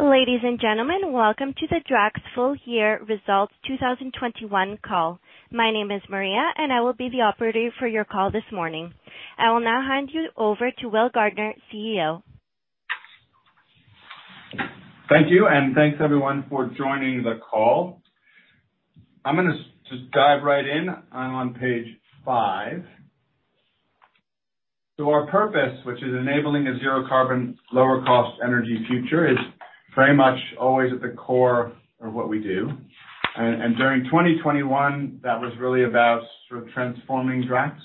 Ladies and gentlemen, welcome to the Drax full-year results 2021 call. My name is Maria, and I will be the operator for your call this morning. I will now hand you over to Will Gardiner, CEO. Thank you, and thanks, everyone, for joining the call. I'm gonna just dive right in. I'm on Page 5. Our purpose, which is enabling a zero carbon, lower cost energy future, is very much always at the core of what we do. During 2021, that was really about sort of transforming Drax.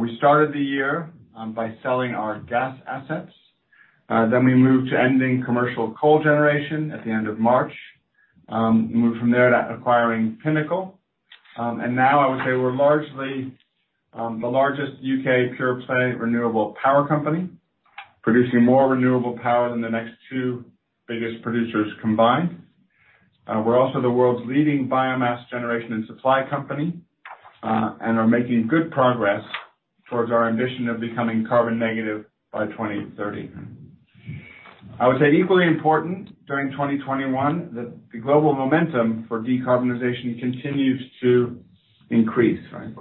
We started the year by selling our gas assets. Then we moved to ending commercial coal generation at the end of March. We moved from there to acquiring Pinnacle. And now I would say we're largely the largest U.K. pure play Renewable Power Company, producing more renewable power than the next two biggest producers combined. We're also the world's leading Biomass Generation and Supply Company, and are making good progress towards our ambition of becoming carbon negative by 2030. I would say equally important during 2021, the global momentum for decarbonization continues to increase, right?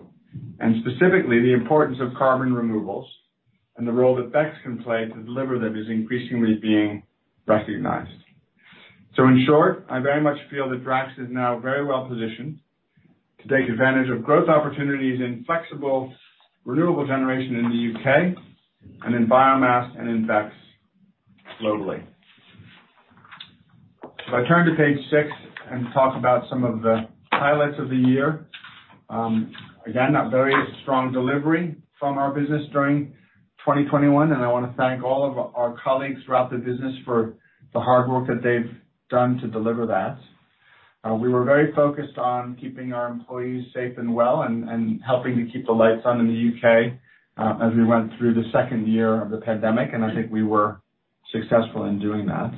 Specifically, the importance of carbon removals and the role that BECCS can play to deliver them is increasingly being recognized. In short, I very much feel that Drax is now very well-positioned to take advantage of growth opportunities in flexible renewable generation in the U.K. and in biomass and in BECCS globally. If I turn to page 6 and talk about some of the highlights of the year. Again, a very strong delivery from our business during 2021, and I wanna thank all of our colleagues throughout the business for the hard work that they've done to deliver that. We were very focused on keeping our employees safe and well and helping to keep the lights on in the U.K., as we went through the second year of the pandemic, and I think we were successful in doing that.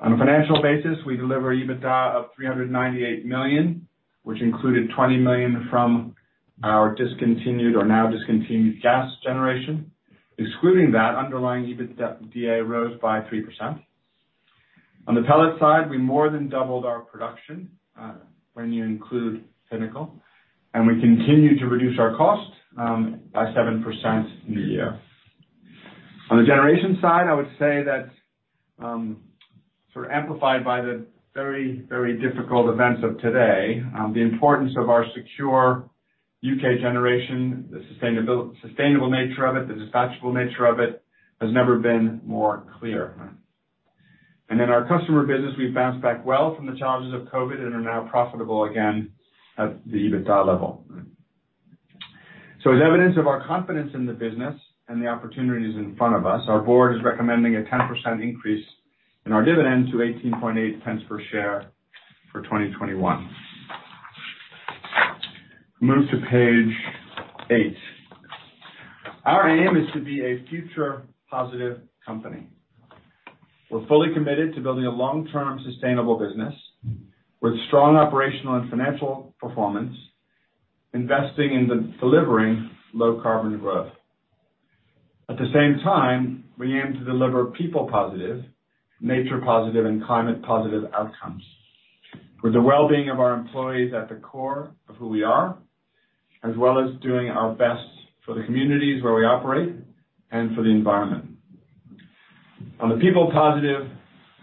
On a financial basis, we delivered EBITDA of 398 million, which included 20 million from our discontinued or now discontinued gas generation. Excluding that, underlying EBITDA rose by 3%. On the pellet side, we more than doubled our production, when you include Pinnacle, and we continued to reduce our cost, by 7% in the year. On the Generation side, I would say that, sort of amplified by the very, very difficult events of today, the importance of our secure U.K. generation, the sustainable nature of it, the dispatchable nature of it, has never been more clear. In our Customer business, we've bounced back well from the challenges of COVID and are now profitable again at the EBITDA level. As evidence of our confidence in the business and the opportunities in front of us, our Board is recommending a 10% increase in our dividend to 0.188 per share for 2021. Move to Page 8. Our aim is to be a future positive company. We're fully committed to building a long-term sustainable business with strong operational and financial performance, investing in the delivering low carbon growth. At the same time, we aim to deliver people positive, nature positive, and climate positive outcomes, with the well-being of our employees at the core of who we are, as well as doing our best for the communities where we operate and for the environment. On the people positive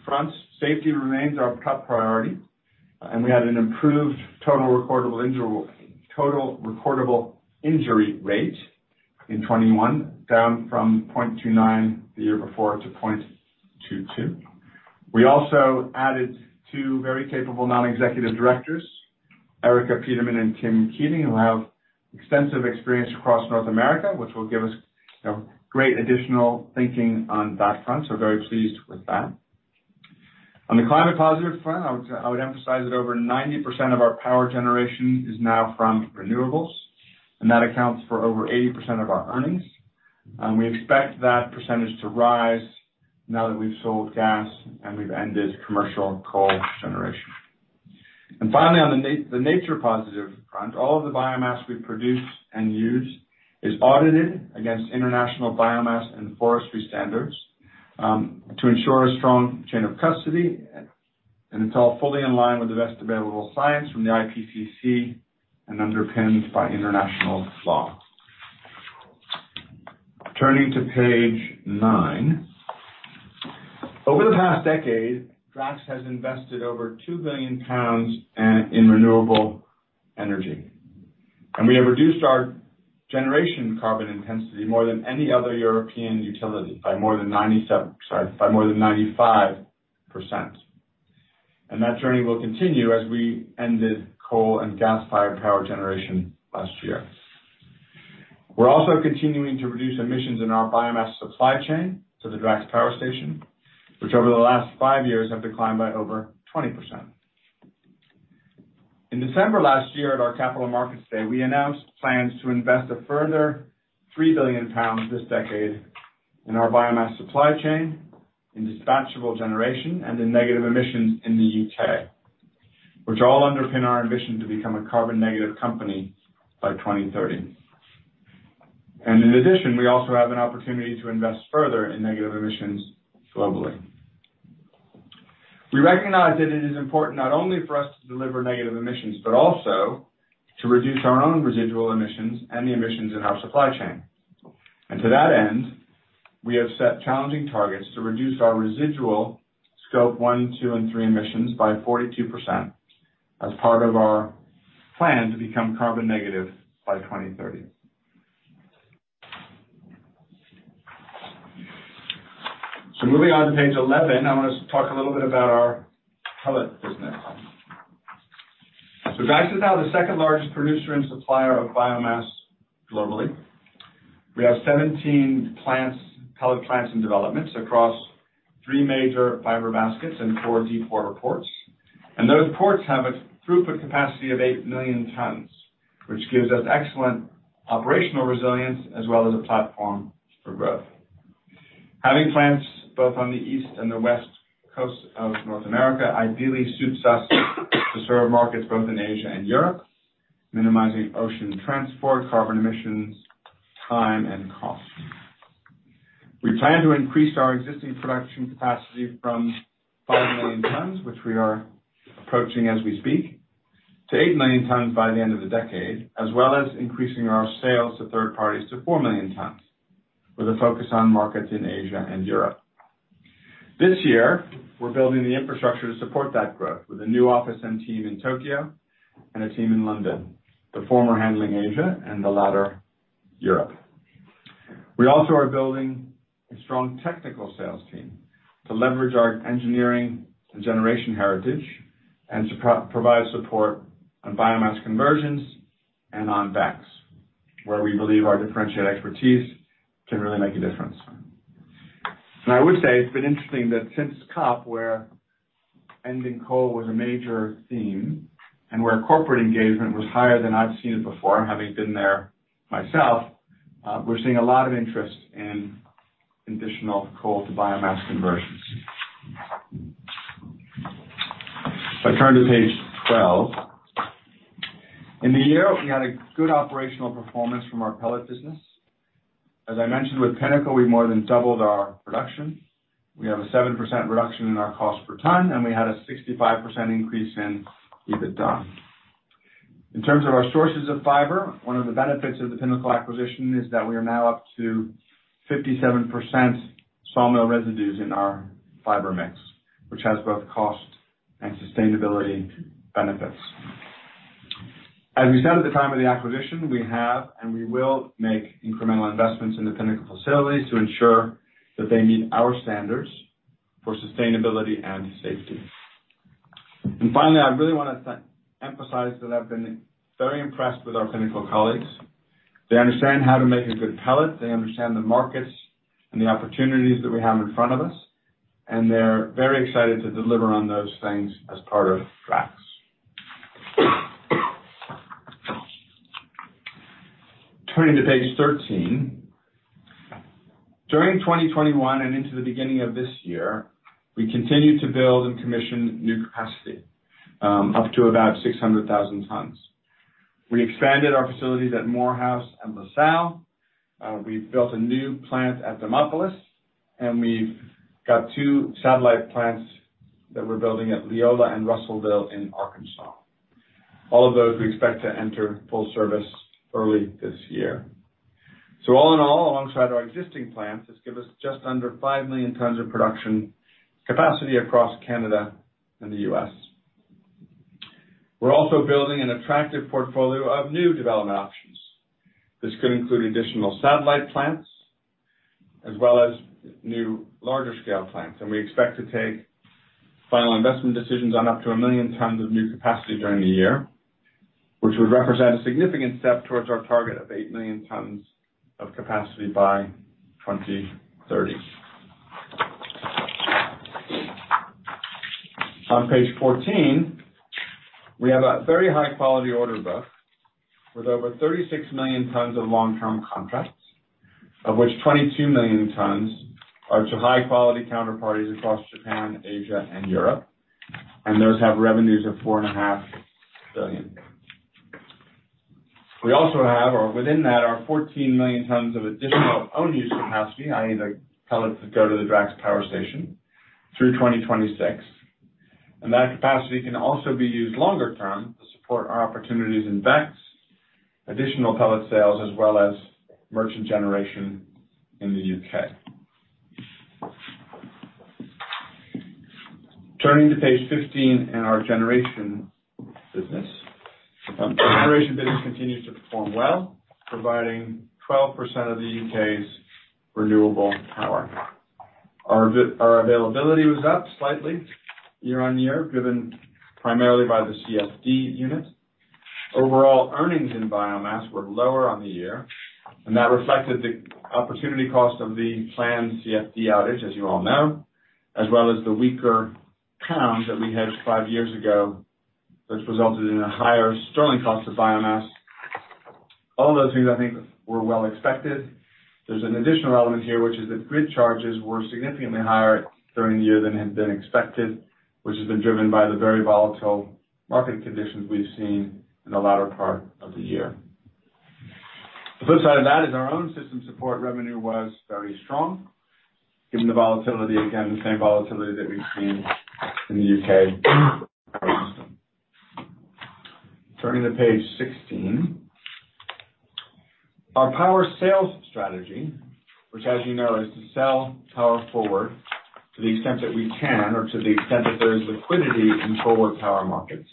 fronts, safety remains our top priority, and we had an improved total recordable injury rate in 2021, down from 0.29 the year before to 0.22. We also added two very capable Non-Executive Directors, Erika Peterman and Kim Keating, who have extensive experience across North America, which will give us, you know, great additional thinking on that front, so very pleased with that. On the climate positive front, I would emphasize that over 90% of our power generation is now from renewables, and that accounts for over 80% of our earnings. We expect that percentage to rise now that we've sold gas and we've ended commercial coal generation. Finally, on the nature positive front, all of the biomass we produce and use is audited against International Biomass and Forestry Standards to ensure a strong chain of custody, and it's all fully in line with the best available science from the IPCC and underpinned by international law. Turning to Page 9 Over the past decade, Drax has invested over 2 billion pounds in renewable energy, and we have reduced our generation carbon intensity more than any other European utility by more than 95%. That journey will continue as we ended coal and gas-fired power generation last year. We're also continuing to reduce emissions in our Biomass Supply Chain to the Drax power station, which over the last five years have declined by over 20%. In December last year at our Capital Markets Day, we announced plans to invest a further 3 billion pounds this decade in our Biomass Supply Chain, in dispatchable generation, and in negative emissions in the U.K., which all underpin our ambition to become a carbon negative company by 2030. In addition, we also have an opportunity to invest further in negative emissions globally. We recognize that it is important not only for us to deliver negative emissions, but also to reduce our own residual emissions and the emissions in our supply chain. To that end, we have set challenging targets to reduce our residual Scope 1, 2, and 3 emissions by 42% as part of our plan to become carbon negative by 2030. Moving on to Page 11, I want to talk a little bit about our Pellet business. Drax is now the second-largest producer and supplier of biomass globally. We have 17 plants, Pellet plants in developments across three major fiber baskets and four deepwater ports. Those ports have a throughput capacity of 8 million tons, which gives us excellent operational resilience as well as a platform for growth. Having plants both on the east and the west coast of North America ideally suits us to serve markets both in Asia and Europe, minimizing ocean transport, carbon emissions, time, and cost. We plan to increase our existing production capacity from 5 million tons, which we are approaching as we speak, to 8 million tons by the end of the decade, as well as increasing our sales to third parties to 4 million tons with a focus on markets in Asia and Europe. This year, we're building the infrastructure to support that growth with a new office and team in Tokyo and a team in London, the former handling Asia and the latter Europe. We also are building a strong technical sales team to leverage our engineering and generation heritage and to provide support on biomass conversions and on BECCS, where we believe our differentiated expertise can really make a difference. I would say it's been interesting that since COP, where ending coal was a major theme and where corporate engagement was higher than I've seen it before, having been there myself, we're seeing a lot of interest in additional coal to biomass conversions. If I turn to Page 12. In the year, we had a good operational performance from our pellet business. As I mentioned with Pinnacle, we more than doubled our production. We have a 7% reduction in our cost per ton, and we had a 65% increase in EBITDA. In terms of our sources of fiber, one of the benefits of the Pinnacle acquisition is that we are now up to 57% sawmill residues in our fiber mix, which has both cost and sustainability benefits. As we said at the time of the acquisition, we have and we will make incremental investments in the Pinnacle facilities to ensure that they meet our standards for sustainability and safety. Finally, I really want to emphasize that I've been very impressed with our Pinnacle colleagues. They understand how to make a good pellet. They understand the markets and the opportunities that we have in front of us, and they're very excited to deliver on those things as part of Drax. Turning to Page 13. During 2021 and into the beginning of this year, we continued to build and commission new capacity up to about 600,000 tons. We expanded our facilities at Morehouse and LaSalle. We built a new plant at Demopolis, and we've got two satellite plants that we're building at Leola and Russellville in Arkansas. All of those we expect to enter full service early this year. All in all, alongside our existing plants, this give us just under 5 million tons of production capacity across Canada and the U.S. We're also building an attractive portfolio of new development options. This could include additional satellite plants as well as new larger scale plants. We expect to take final investment decisions on up to 1 million tons of new capacity during the year, which would represent a significant step towards our target of 8 million tons of capacity by 2030. On Page 14, we have a very high-quality order book with over 36 million tons of long-term contracts, of which 22 million tons are to high-quality counterparties across Japan, Asia, and Europe. Those have revenues of 4.5 billion. We also have or within that are 14 million tons of additional own-use capacity, i.e. the pellets that go to the Drax Power Station, through 2026. That capacity can also be used longer-term to support our opportunities in BECCS, additional pellet sales, as well as merchant generation in the U.K. Turning to Page 15 in our Generation business. Our Generation business continues to perform well, providing 12% of the U.K.'s renewable power. Our availability was up slightly year-on-year, driven primarily by the CFD unit. Overall earnings in biomass were lower on the year, and that reflected the opportunity cost of the planned CFD outage, as you all know, as well as the weaker pound that we hedged five years ago, which resulted in a higher sterling cost of biomass. All those things I think were well expected. There's an additional element here, which is that grid charges were significantly higher during the year than had been expected, which has been driven by the very volatile market conditions we've seen in the latter part of the year. The flip side of that is our own system support revenue was very strong given the volatility, again, the same volatility that we've seen in the U.K. Turning to Page 16. Our power sales strategy, which, as you know, is to sell power forward to the extent that we can or to the extent that there is liquidity in forward power markets.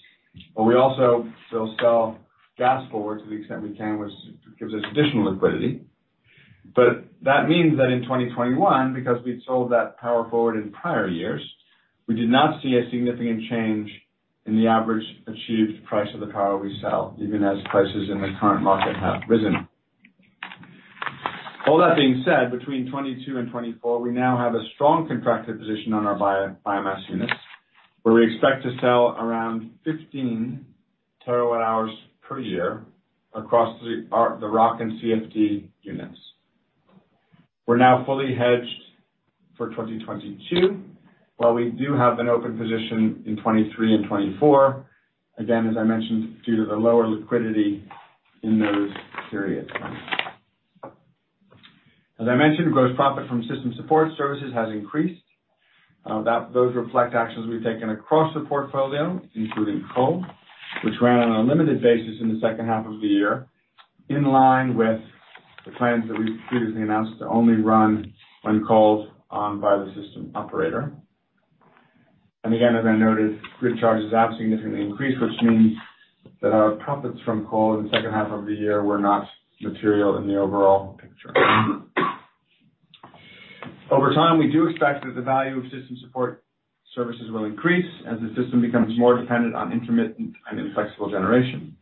We also will sell gas forward to the extent we can, which gives us additional liquidity. That means that in 2021, because we'd sold that power forward in prior years, we did not see a significant change in the average achieved price of the power we sell, even as prices in the current market have risen. All that being said, between 2022 and 2024, we now have a strong contracted position on our biomass units, where we expect to sell around 15 TWh per year across the ROC and CFD units. We're now fully hedged for 2022, while we do have an open position in 2023 and 2024, again, as I mentioned, due to the lower liquidity in those periods. As I mentioned, gross profit from system support services has increased. Those reflect actions we've taken across the portfolio, including coal, which ran on a limited basis in the second half of the year, in line with the plans that we previously announced to only run when called on by the system operator. Again, as I noted, grid charges have significantly increased, which means that our profits from coal in the second half of the year were not material in the overall picture. Over time, we do expect that the value of system support services will increase as the system becomes more dependent on intermittent and inflexible generation,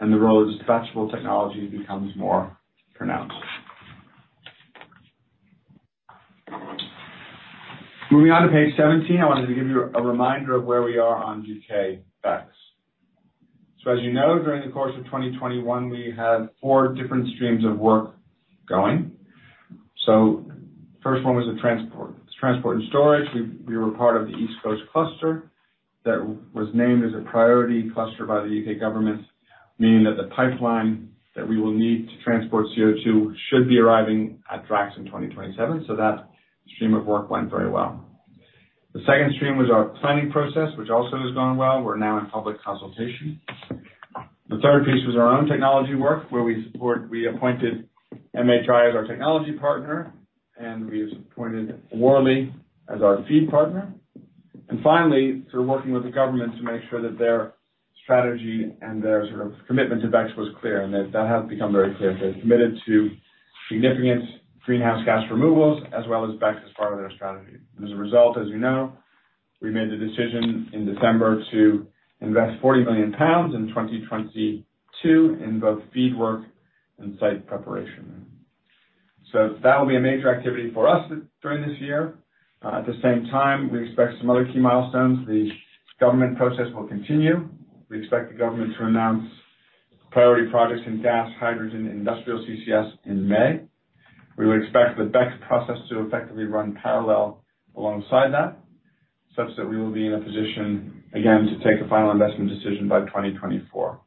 and the role of dispatchable technology becomes more pronounced. Moving on to Page 17. I wanted to give you a reminder of where we are on U.K. BECCS. As you know, during the course of 2021, we had four different streams of work going. First one was the Transport. Transport and storage. We were part of the East Coast Cluster that was named as a priority cluster by the U.K. government, meaning that the pipeline that we will need to transport CO2 should be arriving at Drax in 2027. That stream of work went very well. The second stream was our Planning Process, which also has gone well. We're now in public consultation. The third piece was our own Technology work, where we appointed MHI as our technology partner, and we appointed Worley as our FEED partner. Finally, we're working with the government to make sure that their strategy and their sort of commitment to BECCS was clear, and that has become very clear. They're committed to significant greenhouse gas removals as well as BECCS as part of their strategy. As a result, as you know, we made the decision in December to invest 40 million pounds in 2022 in both FEED work and site preparation. That will be a major activity for us during this year. At the same time, we expect some other key milestones. The government process will continue. We expect the government to announce priority projects in gas, hydrogen, and industrial CCS in May. We would expect the BECCS process to effectively run parallel alongside that, such that we will be in a position again to take a final investment decision by 2024.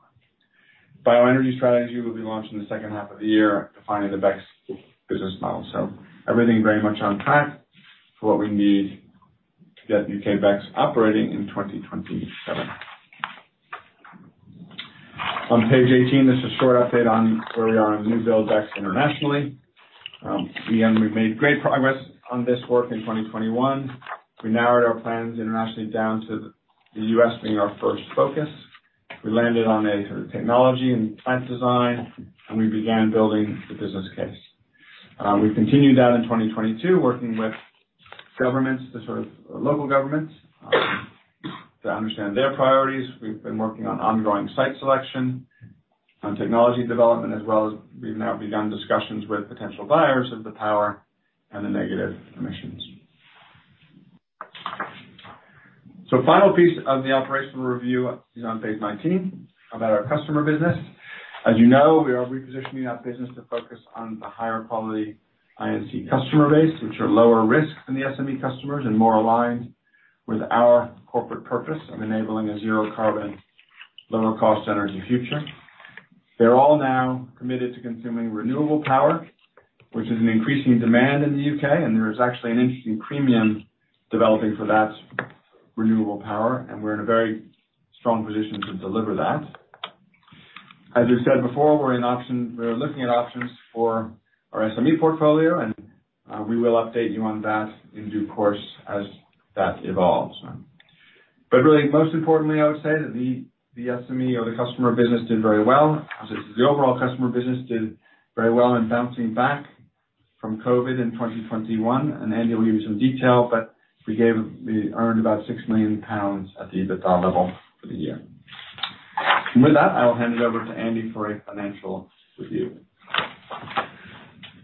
Biomass Strategy will be launched in the second half of the year, defining the BECCS business model. Everything very much on track for what we need to get U.K. BECCS operating in 2027. On Page 18, this is a short update on where we are on new build BECCS internationally. We made great progress on this work in 2021. We narrowed our plans internationally down to the U.S. being our first focus. We landed on a sort of technology and plant design, and we began building the business case. We continued that in 2022, working with local governments to understand their priorities. We've been working on ongoing site selection, on technology development, as well as we've now begun discussions with potential buyers of the power and the negative emissions. Final piece of the operational review is on Page 19, about our Customer business. As you know, we are repositioning that business to focus on the higher quality I&C customer base, which are lower risk than the SME customers and more aligned with our corporate purpose of enabling a zero carbon, lower cost energy future. They're all now committed to consuming renewable power, which is an increasing demand in the U.K., and there is actually an interesting premium developing for that renewable power, and we're in a very strong position to deliver that. As we said before, we're looking at options for our SME portfolio, and we will update you on that in due course as that evolves. Really most importantly, I would say that the SME or the Customer business did very well. The overall Customer business did very well in bouncing back from COVID in 2021. Andy will give you some detail, but we earned about 6 million pounds at the EBITDA level for the year. With that, I will hand it over to Andy for a financial review.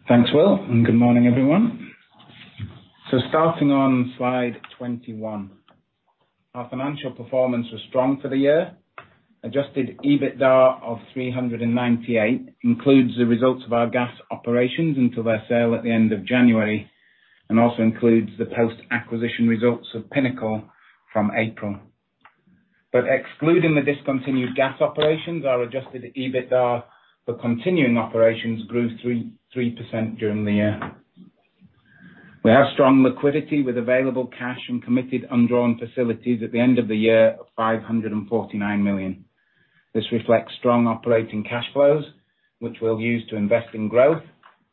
Thanks, Will, and good morning, everyone. Starting on Slide 21. Our financial performance was strong for the year. Adjusted EBITDA of 398 million includes the results of our gas operations until their sale at the end of January, and also includes the post-acquisition results of Pinnacle from April. Excluding the discontinued gas operations, our adjusted EBITDA for continuing operations grew 3.3% during the year. We have strong liquidity with available cash and committed undrawn facilities at the end of the year of 549 million. This reflects strong operating cash flows, which we'll use to invest in growth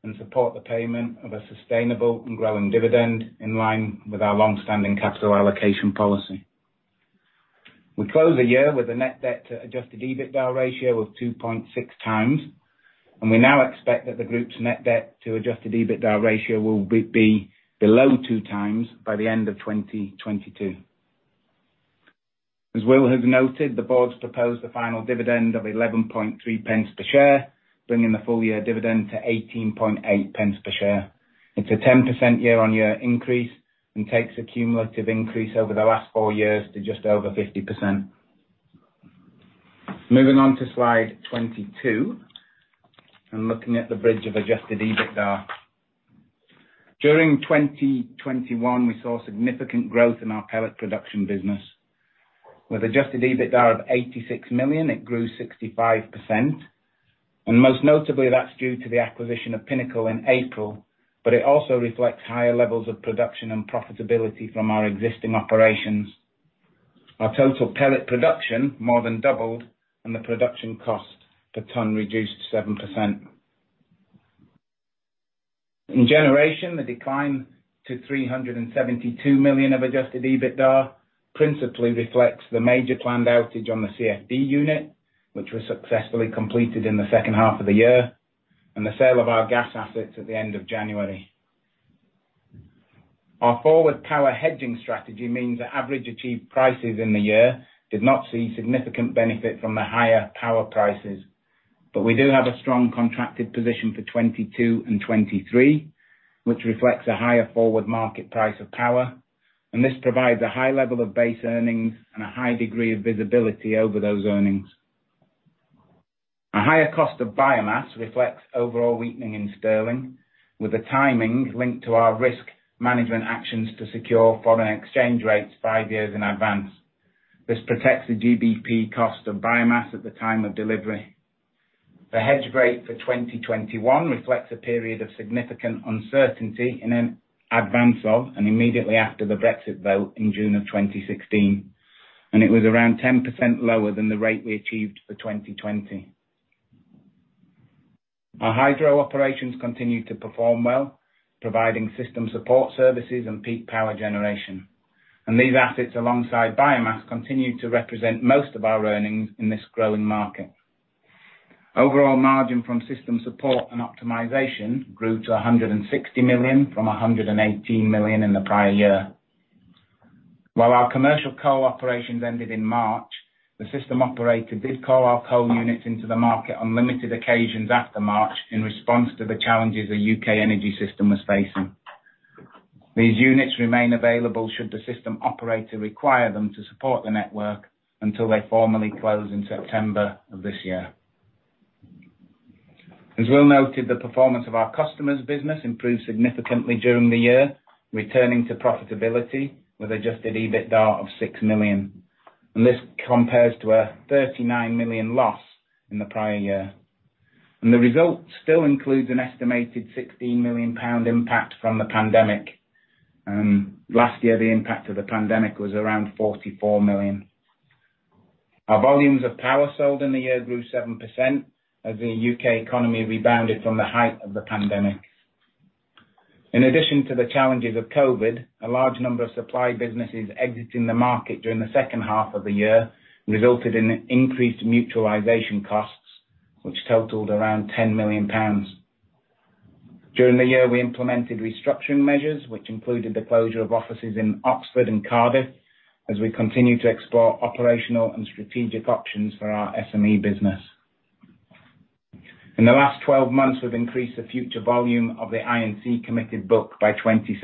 and support the payment of a sustainable and growing dividend in line with our long-standing capital allocation policy. We close the year with a net debt to adjusted EBITDA ratio of 2.6x, and we now expect that the group's net debt to adjusted EBITDA ratio will be below 2x by the end of 2022. As Will has noted, the board's proposed a final dividend of p11.3 per share, bringing the full-year dividend to p18.8 per share. It's a 10% year-on-year increase and takes a cumulative increase over the last four years to just over 50%. Moving on to Slide 22, and looking at the bridge of adjusted EBITDA. During 2021, we saw significant growth in our pellet production business. With adjusted EBITDA of 86 million, it grew 65%. Most notably, that's due to the acquisition of Pinnacle in April, but it also reflects higher levels of production and profitability from our existing operations. Our total Pellet production more than doubled, and the production cost per ton reduced 7%. In Generation, the decline to 372 million of adjusted EBITDA principally reflects the major planned outage on the CFD unit, which was successfully completed in the second half of the year, and the sale of our gas assets at the end of January. Our forward power hedging strategy means that average achieved prices in the year did not see significant benefit from the higher power prices. We do have a strong contracted position for 2022 and 2023, which reflects a higher forward market price of power. This provides a high level of base earnings and a high degree of visibility over those earnings. Our higher cost of biomass reflects overall weakening in sterling, with the timing linked to our Risk Management actions to secure foreign exchange rates five years in advance. This protects the GBP cost of biomass at the time of delivery. The hedge rate for 2021 reflects a period of significant uncertainty in advance of and immediately after the Brexit vote in June of 2016, and it was around 10% lower than the rate we achieved for 2020. Our hydro operations continued to perform well, providing system support services and peak power generation. These assets, alongside biomass, continued to represent most of our earnings in this growing market. Overall margin from system support and optimization grew to 160 million from 118 million in the prior year. While our commercial coal operations ended in March, the system operator did call our coal units into the market on limited occasions after March in response to the challenges the U.K energy system was facing. These units remain available should the system operator require them to support the network until they formally close in September of this year. As Will noted, the performance of our Customers' business improved significantly during the year, returning to profitability with adjusted EBITDA of 6 million. This compares to a 39 million loss in the prior year. The results still includes an estimated 16 million pound impact from the pandemic. Last year, the impact of the pandemic was around 44 million. Our volumes of power sold in the year grew 7% as the U.K. economy rebounded from the height of the pandemic. In addition to the challenges of COVID, a large number of supply businesses exiting the market during the second half of the year resulted in increased mutualization costs, which totaled around 10 million pounds. During the year, we implemented restructuring measures, which included the closure of offices in Oxford and Cardiff, as we continue to explore operational and strategic options for our SME business. In the last 12 months, we've increased the future volume of the I&C committed book by 27%,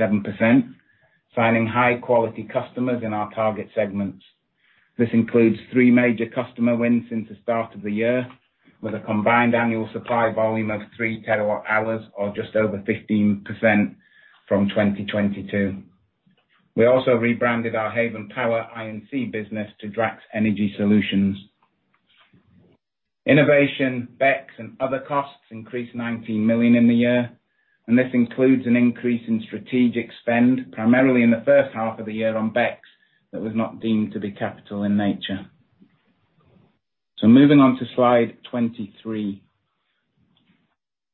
signing high-quality customers in our target segments. This includes three major customer wins since the start of the year, with a combined annual supply volume of 3 TWh or just over 15% from 2022. We also rebranded our Haven Power I&C business to Drax Energy Solutions. Innovation, BECCS and other costs increased 19 million in the year, and this includes an increase in strategic spend, primarily in the first half of the year on BECCS, that was not deemed to be capital in nature. Moving on to Slide 23.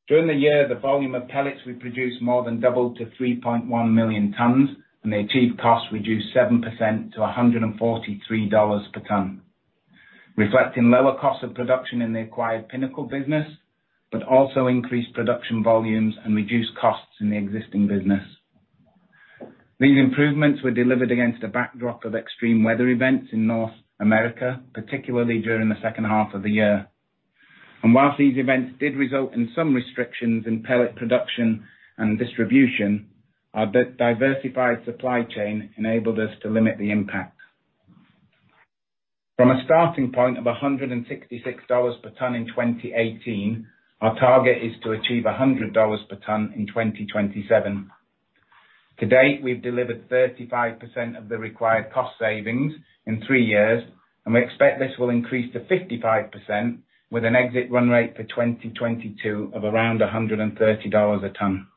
During the year, the volume of pellets we produced more than doubled to 3.1 million tons and the achieved costs reduced 7% to $143 per ton, reflecting lower costs of production in the acquired Pinnacle business, but also increased production volumes and reduced costs in the existing business. These improvements were delivered against a backdrop of extreme weather events in North America, particularly during the second half of the year. While these events did result in some restrictions in Pellet production and distribution, our Diversified supply chain enabled us to limit the impact. From a starting point of $166 per ton in 2018, our target is to achieve $100 per ton in 2027. To date, we've delivered 35% of the required cost savings in three years, and we expect this will increase to 55% with an exit run rate for 2022 of around $130 a ton.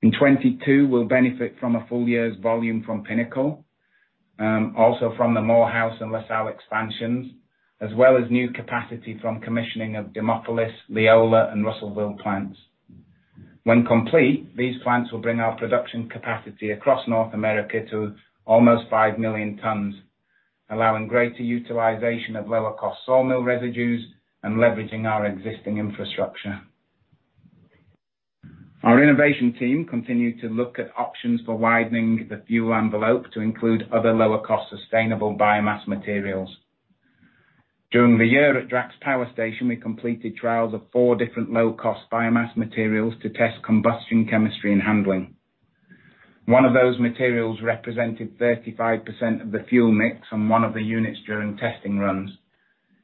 In 2022, we'll benefit from a full-year's volume from Pinnacle, also from the Morehouse and LaSalle expansions, as well as new capacity from commissioning of Demopolis, Leola, and Russellville plants. When complete, these plants will bring our production capacity across North America to almost 5 million tons, allowing greater utilization of lower cost sawmill residues and leveraging our existing infrastructure. Our innovation team continued to look at options for widening the fuel envelope to include other lower cost sustainable biomass materials. During the year at Drax Power Station, we completed trials of four different low-cost biomass materials to test combustion chemistry and handling. One of those materials represented 35% of the fuel mix on one of the units during testing runs.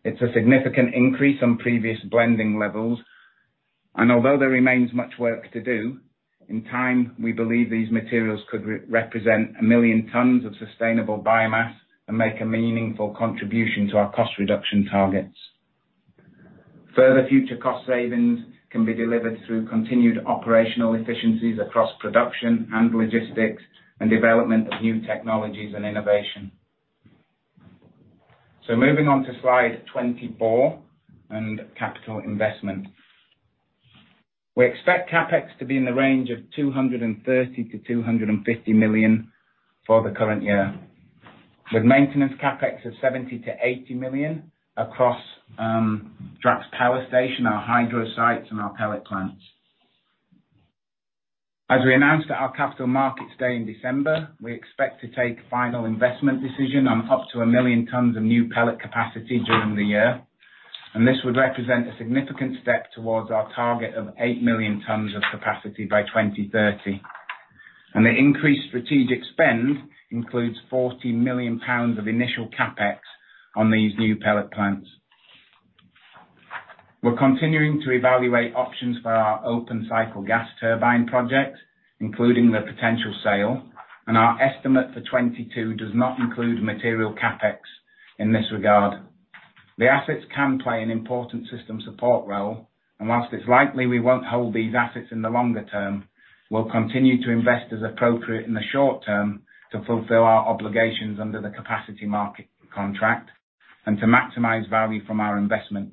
It's a significant increase on previous blending levels, and although there remains much work to do, in time, we believe these materials could represent 1 million tons of sustainable biomass and make a meaningful contribution to our cost reduction targets. Further future cost savings can be delivered through continued operational efficiencies across production and logistics and development of new technologies and innovation. Moving on to Slide 24 and capital investment. We expect CapEx to be in the range of 230 million-250 million for the current year, with maintenance CapEx of 70 million-80 million across Drax Power Station, our hydro sites, and our pellet plants. As we announced at our Capital Markets Day in December, we expect to take final investment decision on up to 1 million tons of new pellet capacity during the year, and this would represent a significant step towards our target of 8 million tons of capacity by 2030. The increased strategic spend includes 40 million pounds of initial CapEx on these new Pellet plants. We're continuing to evaluate options for our Open-Cycle Gas Turbine project, including the potential sale, and our estimate for 2022 does not include material CapEx in this regard. The assets can play an important system support role, and while it's likely we won't hold these assets in the longer-term, we'll continue to invest as appropriate in the short-term to fulfill our obligations under the Capacity Market contract and to maximize value from our investment.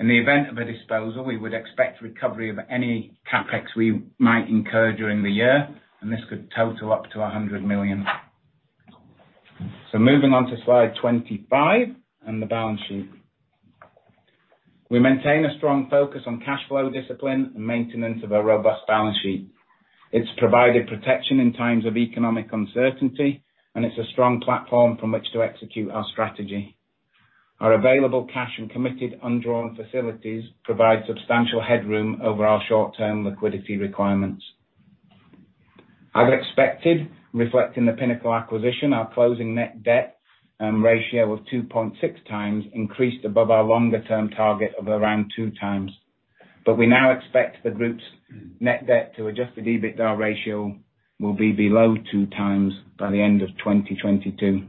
In the event of a disposal, we would expect recovery of any CapEx we might incur during the year, and this could total up to 100 million. Moving on to Slide 25 and the balance sheet. We maintain a strong focus on cash flow discipline and maintenance of a robust balance sheet. It's provided protection in times of economic uncertainty, and it's a strong platform from which to execute our strategy. Our available cash and committed undrawn facilities provide substantial headroom over our short-term liquidity requirements. As expected, reflecting the Pinnacle acquisition, our closing net debt ratio of 2.6x increased above our longer-term target of around 2x. We now expect the group's net debt to adjusted EBITDA ratio will be below 2x by the end of 2022.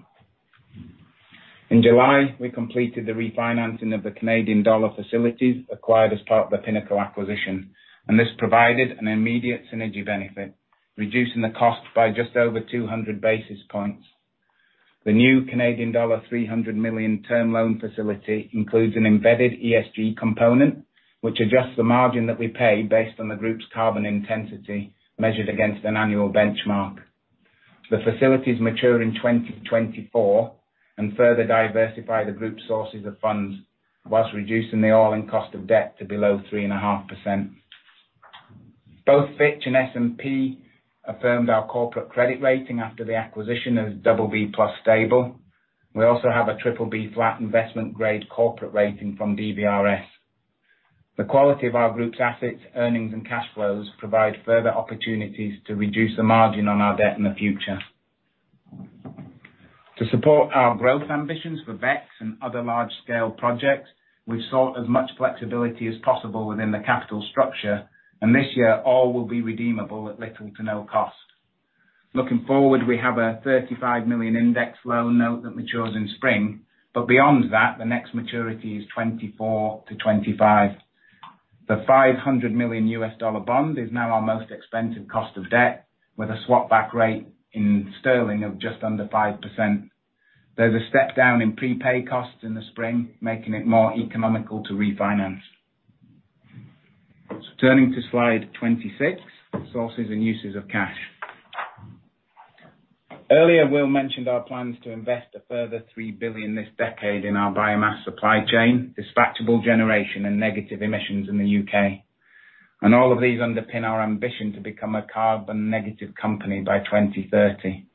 In July, we completed the refinancing of the Canadian dollar facilities acquired as part of the Pinnacle acquisition, and this provided an immediate synergy benefit, reducing the cost by just over 200 basis points. The new Canadian dollar 300 million term loan facility includes an embedded ESG component, which adjusts the margin that we pay based on the group's carbon intensity measured against an annual benchmark. The facilities mature in 2024 and further diversify the group's sources of funds while reducing the all-in cost of debt to below 3.5%. Both Fitch and S&P affirmed our corporate credit rating after the acquisition as BB+ stable. We also have a BBB flat investment-grade corporate rating from DBRS. The quality of our group's assets, earnings, and cash flows provide further opportunities to reduce the margin on our debt in the future. To support our growth ambitions for BECCS and other large-scale projects, we've sought as much flexibility as possible within the capital structure, and this year, all will be redeemable at little to no cost. Looking forward, we have a 35 million index loan note that matures in spring, but beyond that, the next maturity is 2024-2025. The $500 million US dollar bond is now our most expensive cost of debt with a swap back rate in sterling of just under 5%. There's a step down in prepay costs in the spring, making it more economical to refinance. Turning to Slide 26, sources and uses of cash. Earlier, Will mentioned our plans to invest a further 3 billion this decade in our biomass supply chain, dispatchable generation, and negative emissions in the U.K. All of these underpin our ambition to become a carbon negative company by 2030.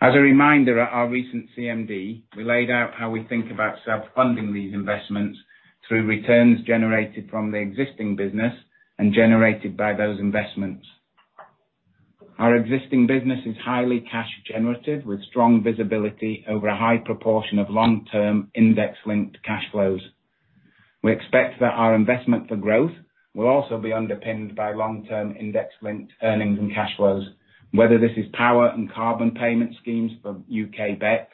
As a reminder, at our recent CMD, we laid out how we think about self-funding these investments through returns generated from the Existing business and generated by those investments. Our Existing business is highly cash generative, with strong visibility over a high proportion of long-term index-linked cash flows. We expect that our investment for growth will also be underpinned by long-term index-linked earnings and cash flows, whether this is power and carbon payment schemes for U.K. BECCS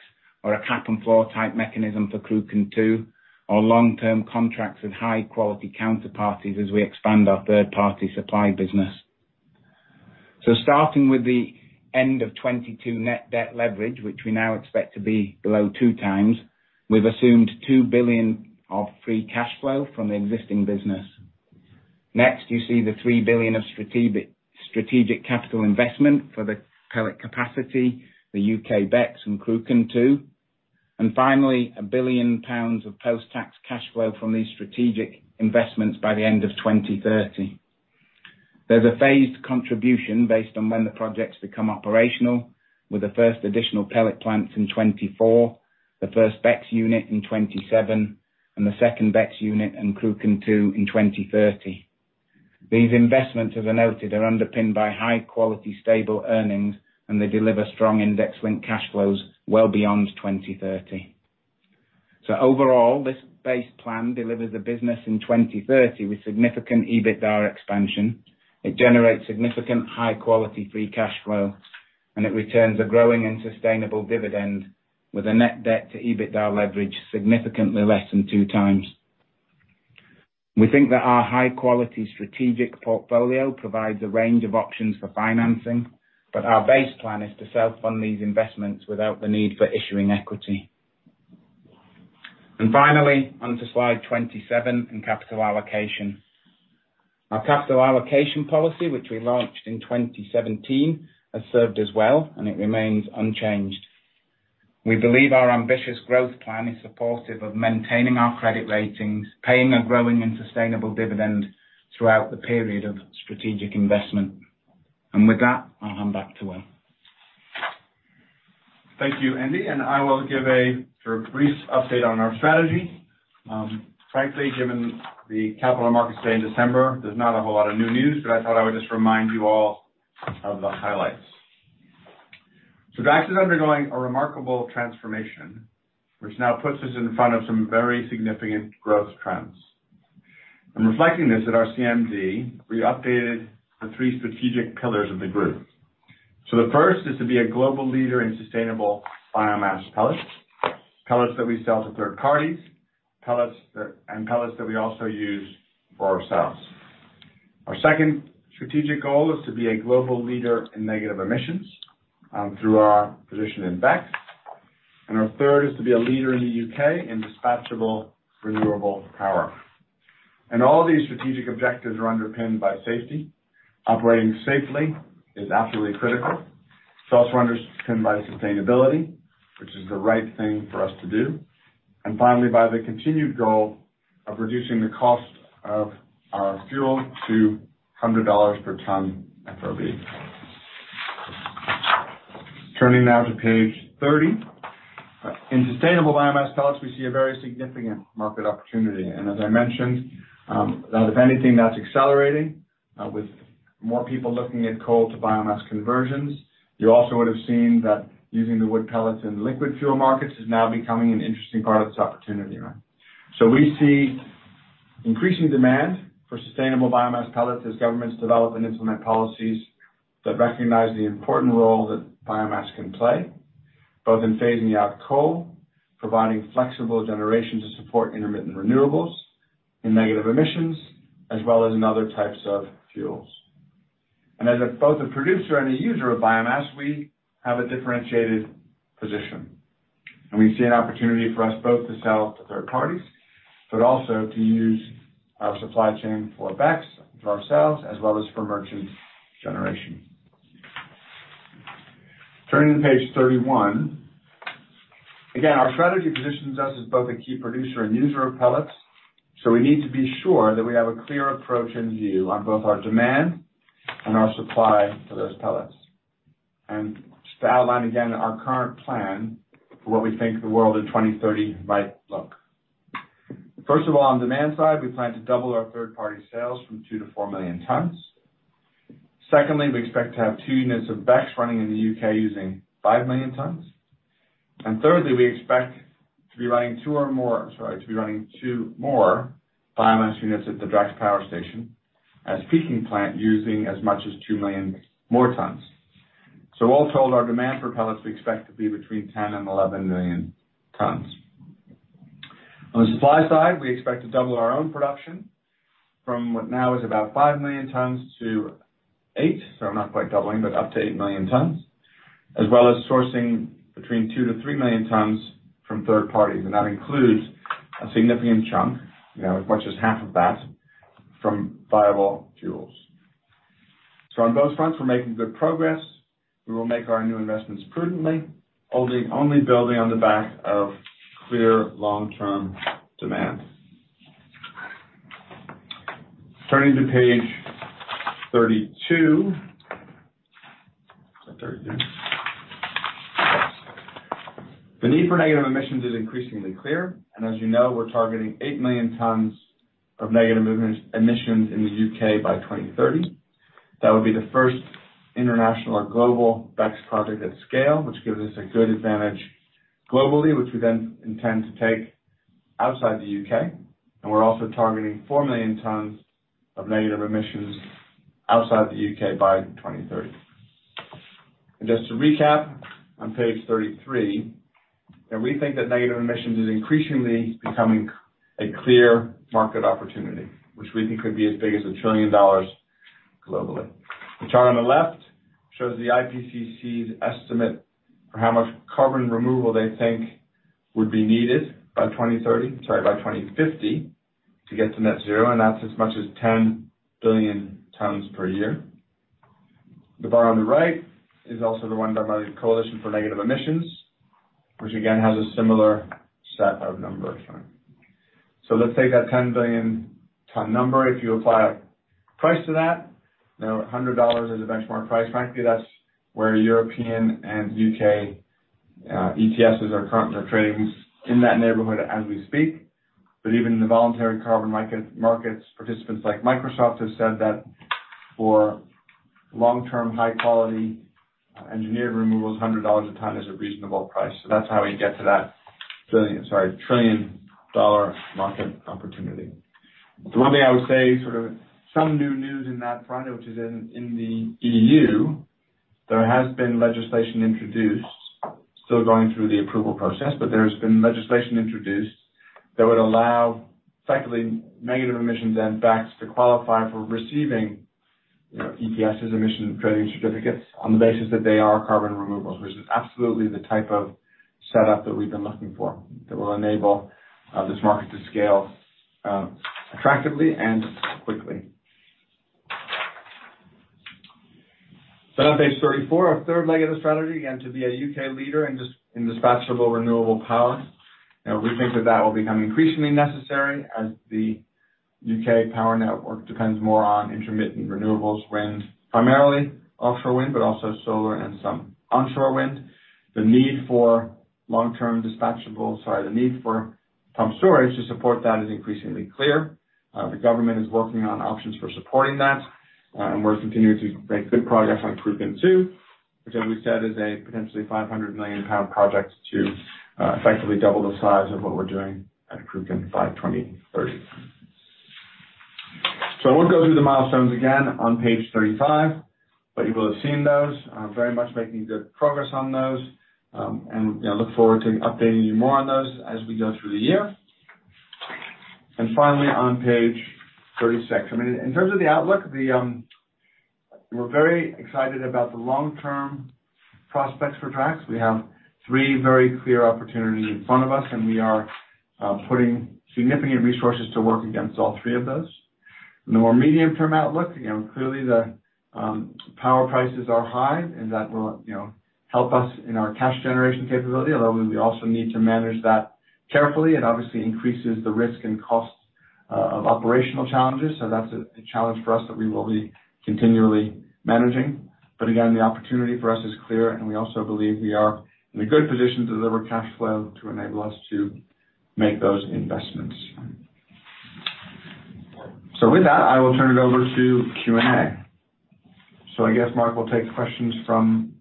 or a cap and floor type mechanism for Cruachan II, or long-term contracts with high-quality counterparties as we expand our third-party supply business. Starting with the end of 2022 net debt leverage, which we now expect to be below 2x, we've assumed 2 billion of free cash flow from the Existing business. Next, you see the 3 billion of strategic capital investment for the pellet capacity, the U.K. BECCS and Cruachan II. Finally, 1 billion pounds of post-tax cash flow from these strategic investments by the end of 2030. There's a phased contribution based on when the projects become operational, with the first additional pellet plant in 2024, the first BECCS unit in 2027, and the second BECCS unit in Cruachan II in 2030. These investments, as I noted, are underpinned by high quality, stable earnings, and they deliver strong index-linked cash flows well beyond 2030. Overall, this base plan delivers a business in 2030 with significant EBITDA expansion. It generates significant high-quality free cash flow, and it returns a growing and sustainable dividend with a net debt to EBITDA leverage significantly less than 2x. We think that our high-quality strategic portfolio provides a range of options for financing, but our base plan is to self-fund these investments without the need for issuing equity. Finally, on to Slide 27 in capital allocation. Our capital allocation policy, which we launched in 2017, has served us well, and it remains unchanged. We believe our ambitious growth plan is supportive of maintaining our credit ratings, paying a growing and sustainable dividend throughout the period of strategic investment. With that, I'll hand back to Will. Thank you, Andy. I will give a sort of brief update on our strategy. Frankly, given the Capital Markets Day in December, there's not a whole lot of new news, but I thought I would just remind you all of the highlights. Drax is undergoing a remarkable transformation, which now puts us in front of some very significant growth trends. In reflecting this at our CMD, we updated the three strategic pillars of the group. The first is to be a global leader in sustainable biomass pellets that we sell to third parties, and pellets that we also use for ourselves. Our second strategic goal is to be a global leader in negative emissions through our position in BECCS. Our third is to be a leader in the U.K. in dispatchable renewable power. All these strategic objectives are underpinned by safety. Operating safely is absolutely critical. It's also underpinned by sustainability, which is the right thing for us to do. Finally, by the continued goal of reducing the cost of our fuel to $100 per ton FOB. Turning now to Page 30. In sustainable biomass pellets, we see a very significant market opportunity. As I mentioned, that if anything, that's accelerating, with more people looking at coal to biomass conversions. You also would have seen that using the wood pellets in liquid fuel markets is now becoming an interesting part of this opportunity, right. We see increasing demand for sustainable biomass pellets as governments develop and implement policies that recognize the important role that biomass can play, both in phasing out coal, providing flexible generation to support intermittent renewables, in negative emissions, as well as in other types of fuels. As both a producer and a user of biomass, we have a differentiated position, and we see an opportunity for us both to sell to third parties, but also to use our supply chain for BECCS ourselves as well as for merchant generation. Turning to Page 31. Again, our strategy positions us as both a key producer and user of pellets, so we need to be sure that we have a clear approach and view on both our demand and our supply for those pellets. Just to outline again our current plan for what we think the world in 2030 might look. First of all, on demand side, we plan to double our third-party sales from 2 million-4 million tons. Secondly, we expect to have two units of BECCS running in the U.K. using 5 million tons. Thirdly, we expect to be running two more biomass units at the Drax power station as peaking plant using as much as 2 million more tons. All told, our demand for pellets, we expect to be between 10 million and 11 million tons. On the supply side, we expect to double our own production from what now is about 5 million tons to 8 million tons. Not quite doubling, but up to 8 million tons, as well as sourcing between 2 million-3 million tons from third parties. That includes a significant chunk, you know, as much as half of that from waste-derived pellets. On both fronts, we're making good progress. We will make our new investments prudently, only building on the back of clear long-term demand. Turning to Page 32. Is that 32? The need for negative emissions is increasingly clear. As you know, we're targeting 8 million tons of negative emissions in the U.K. by 2030. That would be the first international or global BECCS project at scale, which gives us a good advantage globally, which we then intend to take outside the U.K. We're also targeting 4 million tons of negative emissions outside the U.K. by 2030. Just to recap on Page 33, we think that negative emissions is increasingly becoming a clear market opportunity, which we think could be as big as $1 trillion globally. The chart on the left shows the IPCC's estimate for how much carbon removal they think would be needed by 2030, sorry, by 2050 to get to net zero, and that's as much as 10 billion tons per year. The bar on the right is also the one done by the Coalition for Negative Emissions, which again has a similar set of numbers. Let's take that 10 billion ton number. If you apply a price to that, you know, $100 is a benchmark price. Frankly, that's where European and U.K. ETSs are trading in that neighborhood as we speak. Even in the voluntary carbon market, participants like Microsoft have said that for long-term, high-quality engineered removals, $100 a ton is a reasonable price. That's how we get to that trillion-dollar market opportunity. The one thing I would say, sort of some new news in that front, which is in the EU, there has been legislation introduced, still going through the approval process, but there's been legislation introduced that would allow effectively negative emissions and BECCS to qualify for receiving, you know, ETS emission trading certificates on the basis that they are carbon removals, which is absolutely the type of setup that we've been looking for that will enable this market to scale attractively and quickly. On Page 34, our third leg of the strategy, again, to be a U.K. leader in dispatchable renewable power. You know, we think that will become increasingly necessary as the U.K. power network depends more on intermittent renewables, wind, primarily offshore wind, but also solar and some onshore wind. The need for long-term dispatchable to support that is increasingly clear. The government is working on options for supporting that, and we're continuing to make good progress on Cruachan II, which as we said, is a potentially 500 million pound project to effectively double the size of what we're doing at Cruachan by 2030. I won't go through the milestones again on Page 35, but you will have seen those. I'm very much making good progress on those, and you know, look forward to updating you more on those as we go through the year. Finally, on Page 36, I mean, in terms of the outlook, we're very excited about the long-term prospects for Drax. We have three very clear opportunities in front of us, and we are putting significant resources to work against all three of those. In the more medium-term outlook, you know, clearly the power prices are high, and that will, you know, help us in our cash generation capability, although we also need to manage that carefully. It obviously increases the risk and cost of operational challenges. That's a challenge for us that we will be continually managing. Again, the opportunity for us is clear, and we also believe we are in a good position to deliver cash flow to enable us to make those investments. With that, I will turn it over to Q&A. I guess Mark will take questions from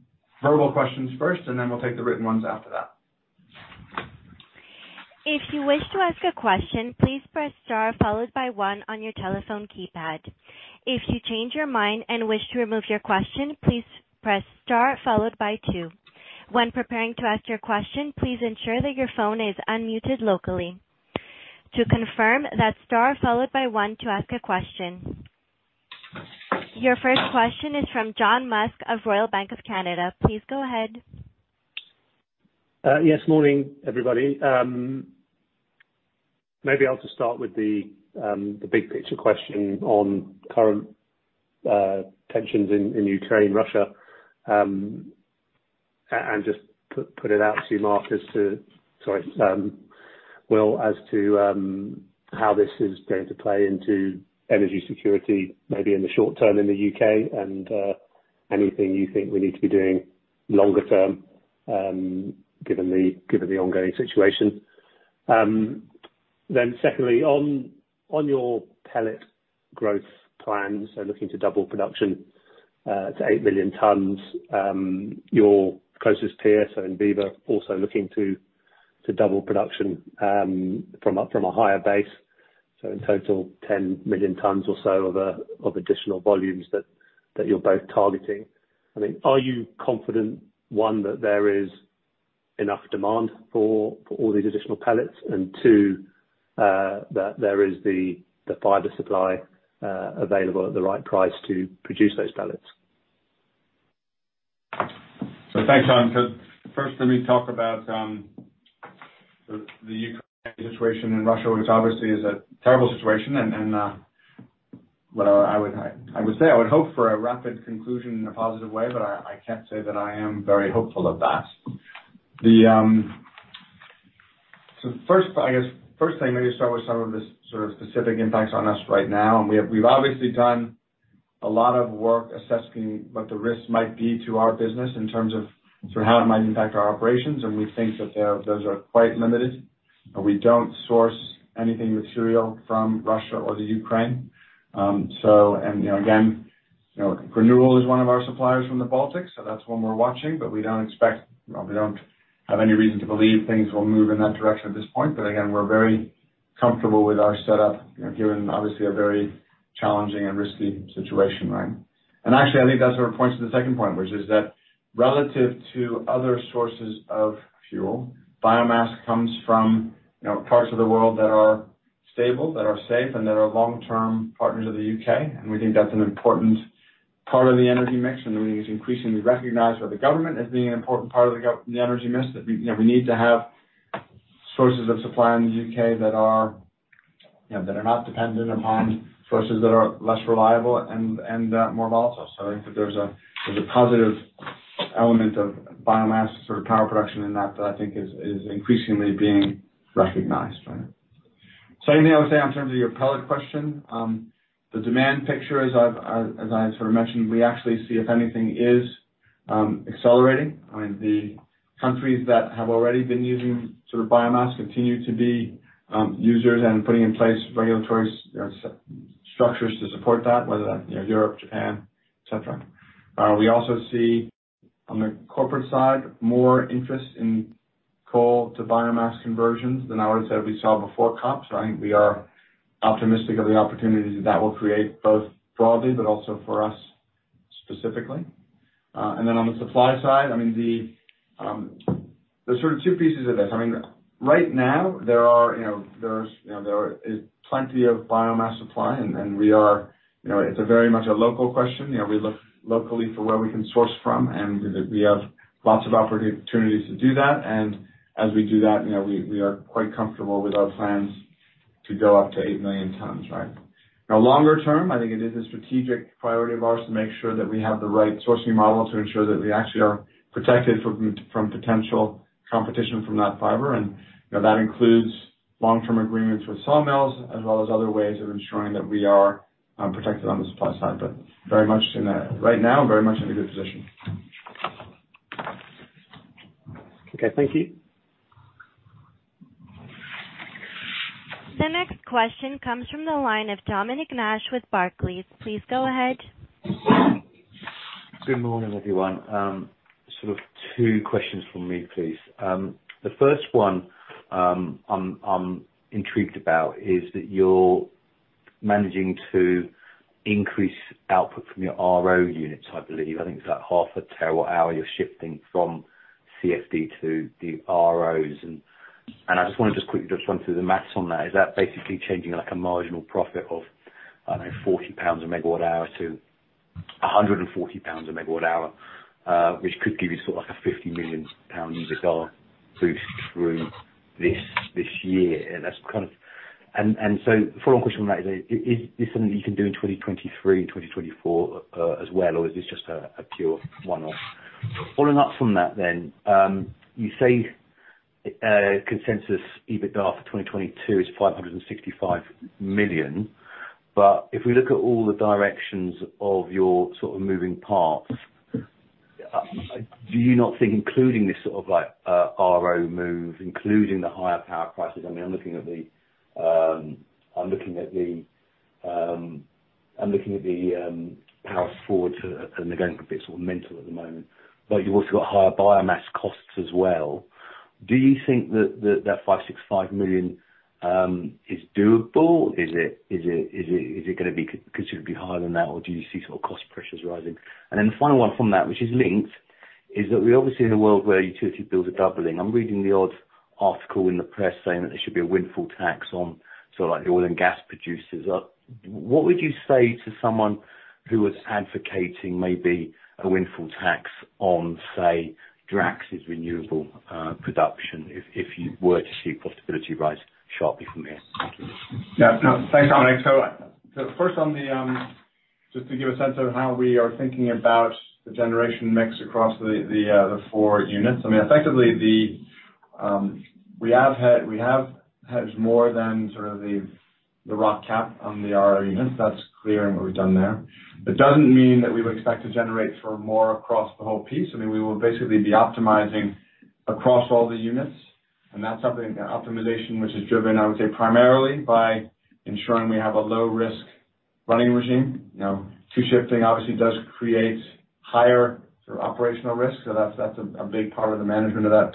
verbal questions first, and then we'll take the written ones after that. If you wish to ask a question, please press Star followed by one on your telephone keypad. If you change your mind and wish to remove your question, please press Star followed by two. When preparing to ask your question, please ensure that your phone is unmuted locally. To confirm, that's star followed by one to ask a question. Your first question is from John Musk of Royal Bank of Canada. Please go ahead. Yes, morning, everybody. Maybe I'll just start with the big picture question on current tensions in Ukraine, Russia, and just put it out to you, Marcus. Sorry, Will, as to how this is going to play into energy security, maybe in the short-term in the U.K., and anything you think we need to be doing longer-term, given the ongoing situation. Secondly, on your pellet growth plans, looking to double production to 8 million tons, your closest peer, Enviva, also looking to double production from a higher base. In total, 10 million tons or so of additional volumes that you're both targeting. I mean, are you confident, one, that there is enough demand for all these additional pellets, and two, that there is the fiber supply available at the right price to produce those pellets? Thanks, John. First, let me talk about the Ukraine situation and Russia, which obviously is a terrible situation. What I would say I hope for a rapid conclusion in a positive way, but I can't say that I am very hopeful of that. First, I guess first thing, maybe start with some of the sort of specific impacts on us right now. We've obviously done a lot of work assessing what the risks might be to our business in terms of sort of how it might impact our operations, and we think that those are quite limited. We don't source anything material from Russia or the Ukraine. You know, again, you know, Graanul is one of our suppliers from the Baltics, so that's one we're watching, but we don't expect... Well, we don't have any reason to believe things will move in that direction at this point. Again, we're very comfortable with our setup, you know, given obviously a very challenging and risky situation, right? Actually, I think that sort of points to the second point, which is that relative to other sources of fuel, biomass comes from, you know, parts of the world that are stable, that are safe, and that are long-term partners of the U.K., and we think that's an important part of the energy mix. I think it's increasingly recognized by the government as being an important part of the energy mix, that we, you know, we need to have sources of supply in the U.K. that are, you know, that are not dependent upon sources that are less reliable and more volatile. I think that there's a positive element of biomass sort of power production in that I think is increasingly being recognized, right? Same thing I would say in terms of your pellet question. The demand picture, as I've sort of mentioned, we actually see if anything is accelerating. I mean, the countries that have already been using sort of biomass continue to be users and putting in place regulatory structures to support that, whether that's, you know, Europe, Japan, et cetera. We also see on the corporate side more interest in coal to biomass conversions than I would have said we saw before COP. I think we are optimistic of the opportunities that will create both broadly but also for us specifically. On the supply side, I mean, there's sort of two pieces of this. I mean, right now there are plenty of biomass supply, and we are, you know, it's a very much a local question. You know, we look locally for where we can source from, and we have lots of opportunities to do that. As we do that, you know, we are quite comfortable with our plans to go up to 8 million tons, right? Now, longer-term, I think it is a strategic priority of ours to make sure that we have the right sourcing model to ensure that we actually are protected from potential competition from that fiber. You know, that includes long-term agreements with sawmills as well as other ways of ensuring that we are protected on the supply side. Right now, very much in a good position. Okay. Thank you. The next question comes from the line of Dominic Nash with Barclays. Please go ahead. Good morning, everyone. Sort of two questions from me, please. The first one, I'm intrigued about is that you're managing to increase output from your ROC units, I believe. I think it's like half a terawatt hour you're shifting from CFD to the ROs. I just wanna just quickly just run through the math on that. Is that basically changing like a marginal profit of, I don't know, 40 pounds a megawatt hour to 140 pounds a megawatt hour, which could give you sort of like a 50 million pound EBITDA boost through this year? Follow-up question on that is this something you can do in 2023 and 2024, as well, or is this just a pure one-off? Following up from that, you say consensus EBITDA for 2022 is 565 million. But if we look at all the directions of your sort of moving parts, do you not think including this sort of like ROC move, including the higher power prices, I mean, I'm looking at the power forward, too, and again, could be sort of mental math at the moment, but you've also got higher biomass costs as well. Do you think that 565 million is doable? Is it gonna be considerably higher than that, or do you see sort of cost pressures rising? The final one from that, which is linked, is that we're obviously in a world where utility bills are doubling. I'm reading the odd article in the press saying that there should be a windfall tax on sort of like the oil and gas producers. What would you say to someone who was advocating maybe a windfall tax on, say, Drax's renewable production if you were to see profitability rise sharply from here? Thank you. Yeah. No. Thanks, Dominic. First on the just to give a sense of how we are thinking about the generation mix across the the four units. I mean, effectively the we have hedged more than sort of the the ROC cap on the ROC units. That's clear in what we've done there. It doesn't mean that we would expect to generate sort of more across the whole piece. I mean, we will basically be optimizing across all the units, and that's something, optimization, which is driven, I would say, primarily by ensuring we have a low risk running regime. You know, two shifting obviously does create higher sort of operational risk, so that's a big part of the management of that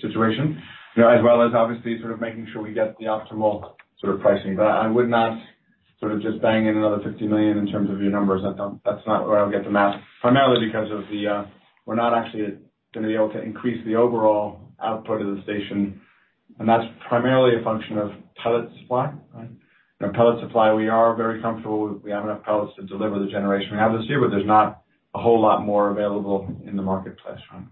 situation. You know, as well as obviously sort of making sure we get the optimal sort of pricing. I would not sort of just bang in another 50 million in terms of your numbers. That's not where I would get the math, primarily because we're not actually gonna be able to increase the overall output of the station, and that's primarily a function of pellet supply, right? You know, pellet supply, we are very comfortable with. We have enough pellets to deliver the generation we have this year, but there's not a whole lot more available in the marketplace, right?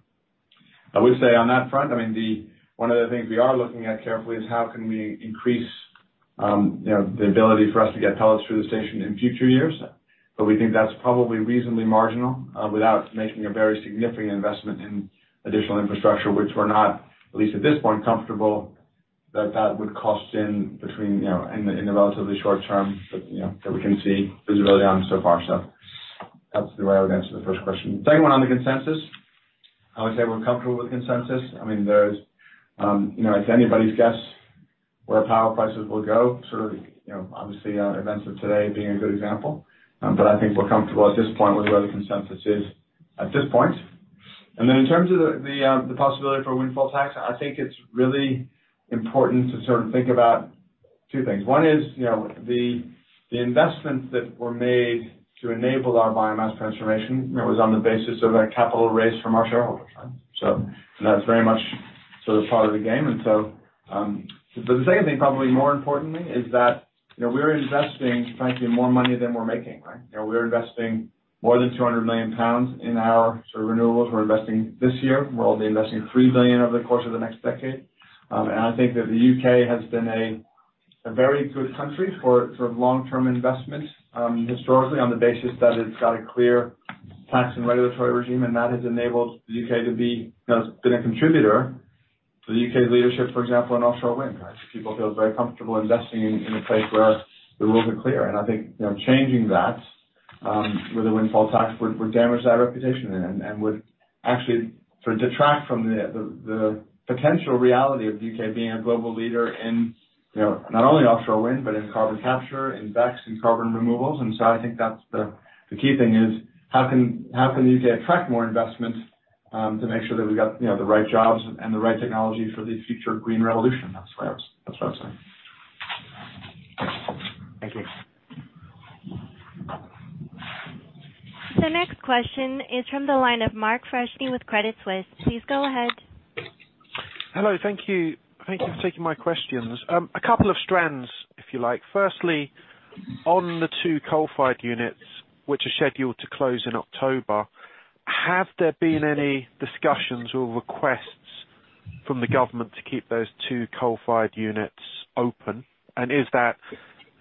I would say on that front, I mean, one of the things we are looking at carefully is how can we increase the ability for us to get pellets through the station in future years, but we think that's probably reasonably marginal without making a very significant investment in additional infrastructure, which we're not, at least at this point, comfortable that it would cost in the relatively short term that we can see visibility on so far. That's the way I would answer the first question. Second one on the consensus. I would say we're comfortable with consensus. I mean, there's, you know, it's anybody's guess where power prices will go, sort of, you know, obviously, events of today being a good example. I think we're comfortable at this point with where the consensus is at this point. Then in terms of the possibility for a windfall tax, I think it's really important to sort of think about two things. One is, you know, the investments that were made to enable our biomass transformation, it was on the basis of a capital raise from our shareholders. That's very much sort of par of the game. The second thing, probably more importantly, is that, you know, we're investing frankly more money than we're making, right? You know, we're investing more than 200 million pounds in our sort of renewables. We're investing this year. We'll be investing 3 billion over the course of the next decade. I think that the U.K. has been a very good country for sort of long-term investment, historically on the basis that it's got a clear tax and regulatory regime, and that has enabled the U.K. to be, you know, a contributor to the U.K.'s leadership, for example, in offshore wind. People feel very comfortable investing in a place where the rules are clear. I think, you know, changing that with a windfall tax would damage that reputation and would actually sort of detract from the potential reality of U.K. being a global leader in, you know, not only offshore wind, but in carbon capture, in BECCS, in carbon removals. I think that's the key thing is how can U.K. attract more investment, to make sure that we got, you know, the right jobs and the right technology for the future green revolution? That's what I was saying. Thank you. The next question is from the line of Mark Freshney with Credit Suisse. Please go ahead. Hello. Thank you. Thank you for taking my questions. A couple of strands, if you like. Firstly, on the two coal-fired units, which are scheduled to close in October, have there been any discussions or requests from the government to keep those two coal-fired units open? Is that,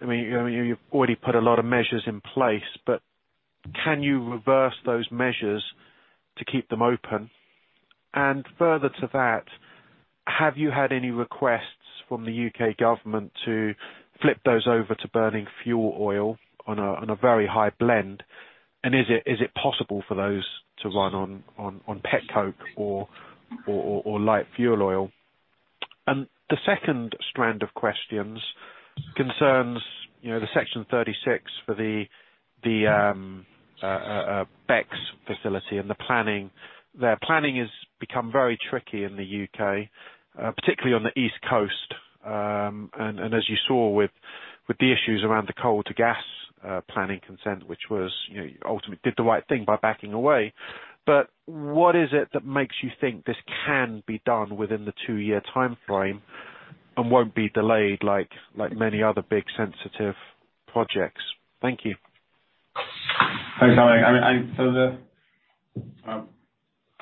I mean, you've already put a lot of measures in place, but can you reverse those measures to keep them open? Further to that, have you had any requests from the U.K. government to flip those over to burning fuel oil on a very high blend? Is it possible for those to run on petcoke or light fuel oil? The second strand of questions concerns, you know, the Section 36 for the BECCS facility and the planning. Their planning has become very tricky in the U.K., particularly on the East Coast. As you saw with the issues around the coal to gas planning consent, which was, you know, did the right thing by backing away. What is it that makes you think this can be done within the two-year timeframe and won't be delayed like many other big sensitive projects? Thank you. Thanks, Mark. I mean, the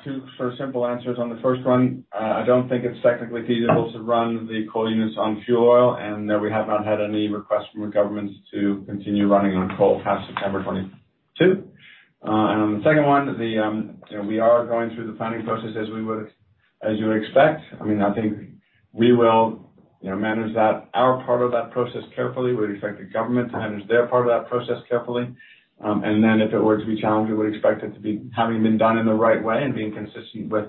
two sort of simple answers on the first one. I don't think it's technically feasible to run the coal units on fuel oil, and that we have not had any requests from the government to continue running on coal past September 2022. On the second one, the, you know, we are going through the planning process as we would, as you would expect. I mean, I think we will, you know, manage that, our part of that process carefully. We'd expect the government to manage their part of that process carefully. If it were to be challenged, we would expect it to be, having been done in the right way and being consistent with,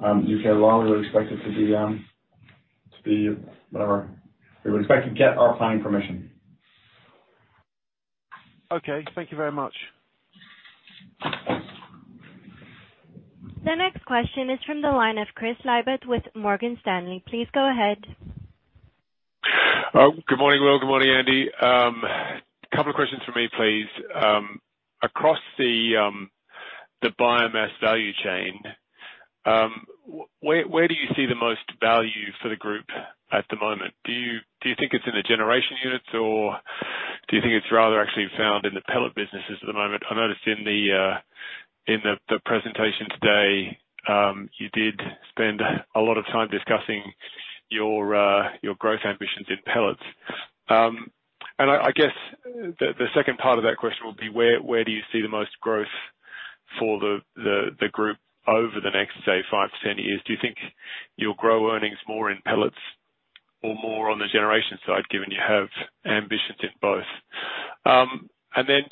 U.K. law, we would expect it to be, to be whatever. We would expect to get our planning permission. Okay. Thank you very much. The next question is from the line of Chris Laybutt with Morgan Stanley. Please go ahead. Oh, good morning, Will. Good morning, Andy. Couple of questions from me, please. Across the biomass value chain, where do you see the most value for the group at the moment? Do you think it's in the generation units, or do you think it's rather actually found in the Pellet businesses at the moment? I noticed in the presentation today, you did spend a lot of time discussing your growth ambitions in pellets. I guess the second part of that question would be where do you see the most growth for the group over the next, say, five to 10 years? Do you think you'll grow earnings more in pellets or more on the Generation side, given you have ambitions in both?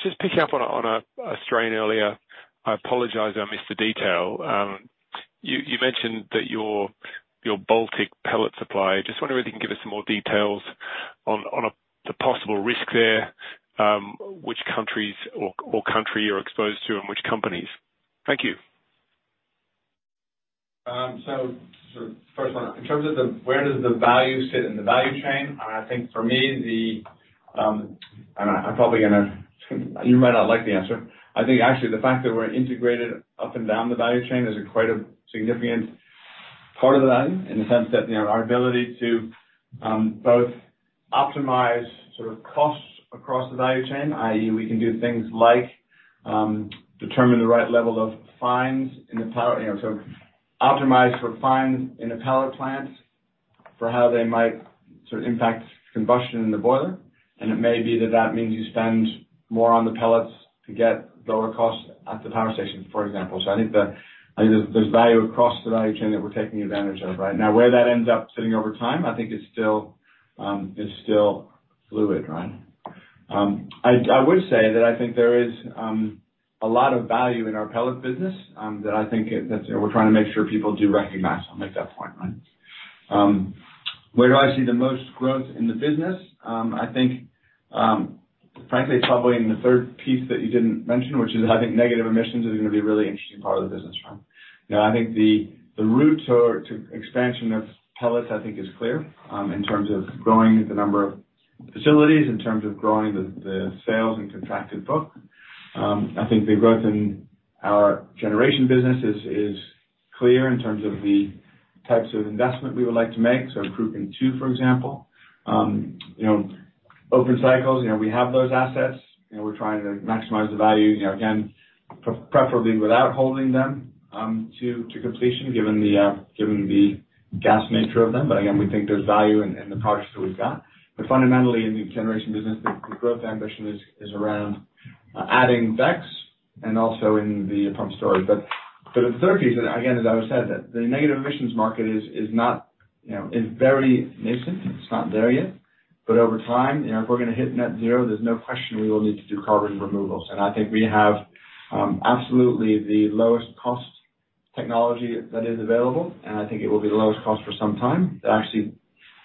Just picking up on a strand earlier, I apologize I missed the detail. You mentioned your Baltic Pellet Supply. Just wondering whether you can give us some more details on the possible risk there, which countries or country you're exposed to and which companies. Thank you. Sort of first one, in terms of where does the value sit in the value chain, I think for me you might not like the answer. I think actually the fact that we're integrated up and down the value chain is quite a significant part of that in the sense that, you know, our ability to both optimize sort of costs across the value chain, i.e. we can do things like determine the right level of fines in the pellet, you know, so optimize for fines in the pellet plant for how they might sort of impact combustion in the boiler. It may be that that means you spend more on the pellets to get lower costs at the power station, for example. I think there's value across the value chain that we're taking advantage of right now. Where that ends up sitting over time, I think is still fluid, right. I would say that I think there is a lot of value in our Pellet business that I think that we're trying to make sure people do recognize. I'll make that point right. Where do I see the most growth in the business? I think frankly, it's probably in the third piece that you didn't mention, which is, I think negative emissions is gonna be a really interesting part of the business from now. I think the route to expansion of pellets, I think is clear, in terms of growing the number of facilities, in terms of growing the sales and contracted book. I think the growth in our Generation business is clear in terms of the types of investment we would like to make. Cruachan II, for example. You know, open cycles, you know, we have those assets. You know, we're trying to maximize the value, you know, again, preferably without holding them to completion given the gas nature of them. But again, we think there's value in the projects that we've got. But fundamentally, in the Generation business, the growth ambition is around adding BECCS and also in the pumped storage. But in the third piece, again, as I said, the negative emissions market is not, you know, very nascent. It's not there yet. But over time, you know, if we're gonna hit net zero, there's no question we will need to do carbon removals. I think we have absolutely the lowest cost technology that is available, and I think it will be the lowest cost for some time to actually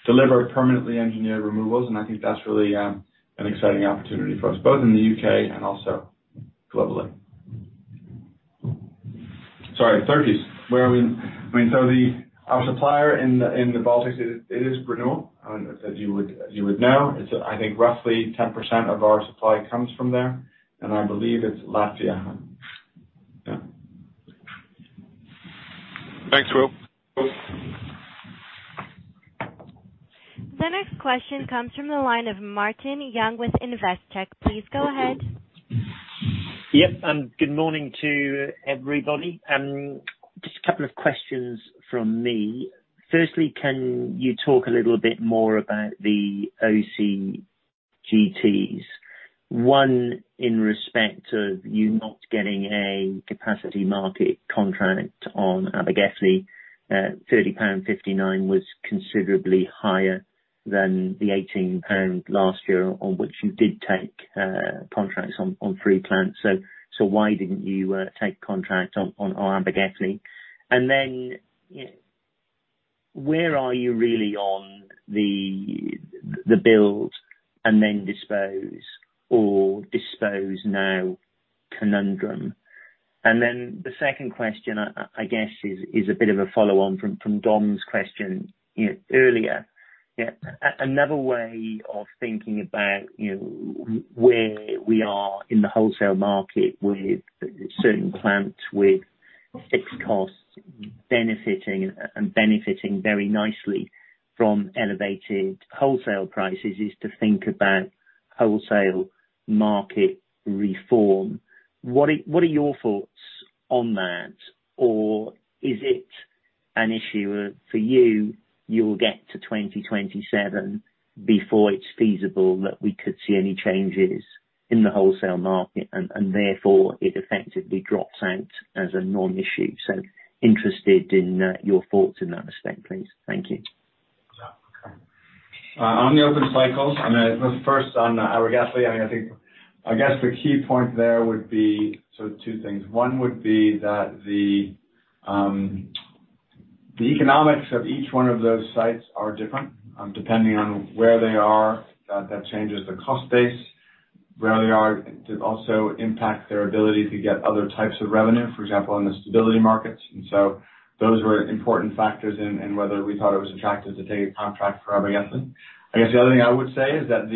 deliver permanently engineered removals. I think that's really an exciting opportunity for us, both in the U.K. and also globally. Sorry, third piece. Where are we? I mean, our supplier in the, in the Baltics is, it is Graanul. As you would know, it's I think roughly 10% of our supply comes from there, and I believe it's Latvia. Yeah. Thanks, Will. The next question comes from the line of Martin Young with Investec. Please go ahead. Yep. Good morning to everybody. Just a couple of questions from me. Firstly, can you talk a little bit more about the OCGTs? One, in respect of you not getting a Capacity Market contract on Abergelli, 35.9 was considerably higher than the 18 pound last year on which you did take contracts on three plants. So why didn't you take contract on Abergelli? And then, you know, where are you really on the build and then dispose or dispose now conundrum? And then the second question, I guess is a bit of a follow-on from Dom's question, you know, earlier. Yeah. Another way of thinking about, you know, where we are in the wholesale market with certain plants with fixed costs benefiting and benefiting very nicely from elevated wholesale prices, is to think about wholesale market reform. What are your thoughts on that? Or is it an issue for you? You'll get to 2027 before it's feasible that we could see any changes in the wholesale market and therefore it effectively drops out as a non-issue. Interested in your thoughts in that respect, please. Thank you. On the open cycles, I mean, first on Abergelli, I mean, I think. I guess the key point there would be sort of two things. One would be that the economics of each one of those sites are different, depending on where they are. That changes the cost base. Where they are did also impact their ability to get other types of revenue, for example, in the stability markets. Those were important factors in whether we thought it was attractive to take a contract for Abergelli. I guess the other thing I would say is that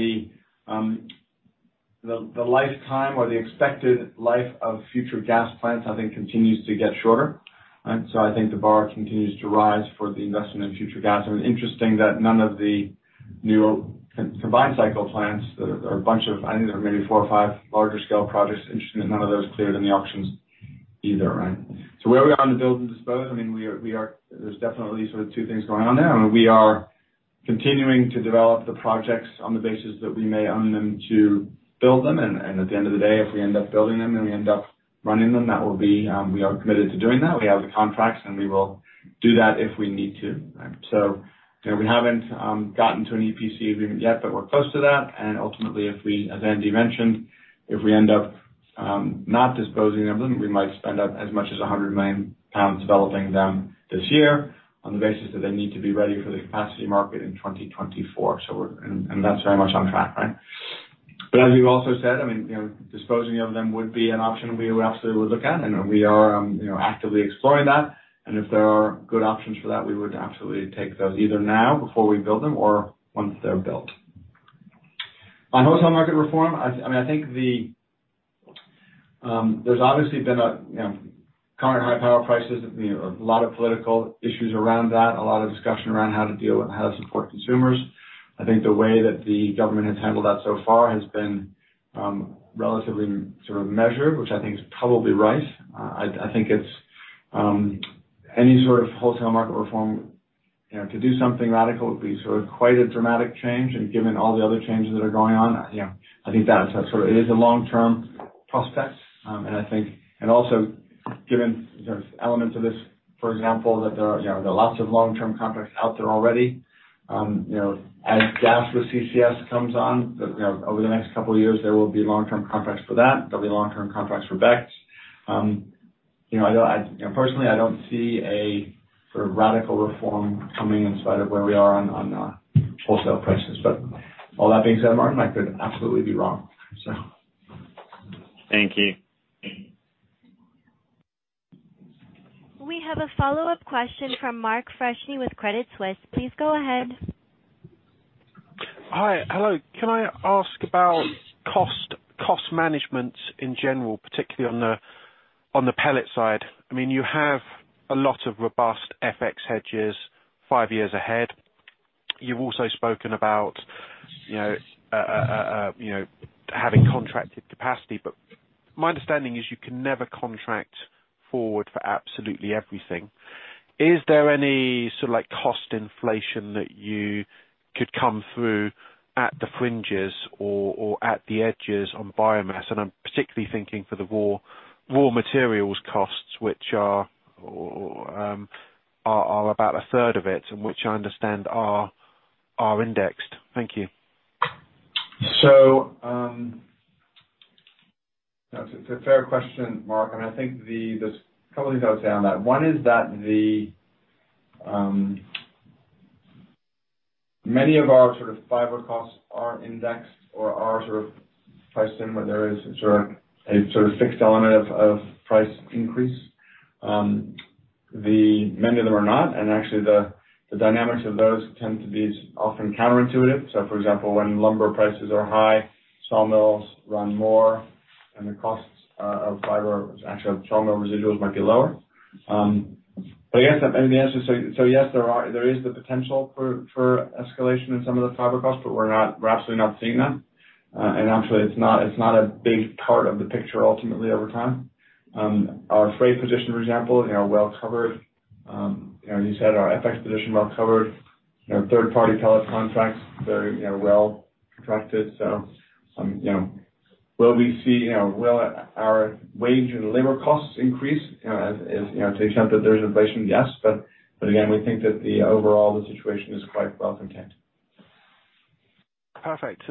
the lifetime or the expected life of future gas plants, I think continues to get shorter. I think the bar continues to rise for the investment in future gas. Interesting that none of the new combined cycle plants that are a bunch of, I think there are maybe four or five larger scale projects. Interesting that none of those cleared in the auctions either, right? Where are we on the build and dispose? I mean, we are, there's definitely sort of two things going on there. I mean, we are continuing to develop the projects on the basis that we may own them to build them. At the end of the day, if we end up building them, then we end up running them. We are committed to doing that. We have the contracts, and we will do that if we need to. You know, we haven't gotten to an EPC agreement yet, but we're close to that. Ultimately, if we, as Andy mentioned, if we end up not disposing of them, we might spend up as much as 100 million pounds developing them this year on the basis that they need to be ready for the Capacity Market in 2024. That's very much on track, right? As you also said, disposing of them would be an option we absolutely would look at, and we are actively exploring that. If there are good options for that, we would absolutely take those either now before we build them or once they're built. On wholesale market reform, I mean, I think there's obviously been currently high power prices. You know, a lot of political issues around that, a lot of discussion around how to deal and how to support consumers. I think the way that the government has handled that so far has been relatively sort of measured, which I think is probably right. I think it's any sort of wholesale market reform, you know, to do something radical would be sort of quite a dramatic change. Given all the other changes that are going on, you know, I think that's sort of it is a long-term prospect. Given there's elements of this, for example, that there are, you know, there are lots of long-term contracts out there already. You know, as gas with CCS comes on, you know, over the next couple of years, there will be long-term contracts for that. There'll be long-term contracts for BECCS. You know, I don't see a sort of radical reform coming in spite of where we are on wholesale prices. All that being said, Martin, I could absolutely be wrong. Thank you. We have a follow-up question from Mark Freshney with Credit Suisse. Please go ahead. Hi. Hello. Can I ask about cost management in general, particularly on the pellet side? I mean, you have a lot of robust FX hedges five years ahead. You've also spoken about, you know, having contracted capacity. But my understanding is you can never contract forward for absolutely everything. Is there any sort of, like, cost inflation that you could come through at the fringes or at the edges on biomass? And I'm particularly thinking for the raw materials costs, which are about a third of it, and which I understand are indexed. Thank you. That's a fair question, Mark, and I think there's a couple of things I would say on that. One is that many of our sort of fiber costs are indexed or are sort of priced in where there is sort of a sort of fixed element of price increase. Many of them are not, and actually the dynamics of those tend to be often counterintuitive. For example, when lumber prices are high, sawmills run more and the costs of fiber, actually, of sawmill residuals might be lower. But I guess maybe the answer is, so yes, there is the potential for escalation in some of the fiber costs, but we're absolutely not seeing that. And actually it's not a big part of the picture ultimately over time. Our freight position, for example, you know, are well covered. As you said, our FX position well covered. You know, third party pellet contracts very, you know, well contracted. Will we see you know, will our wage and labor costs increase, you know, as you know, to the extent that there's inflation? Yes. But again, we think that the overall situation is quite well contained. Perfect.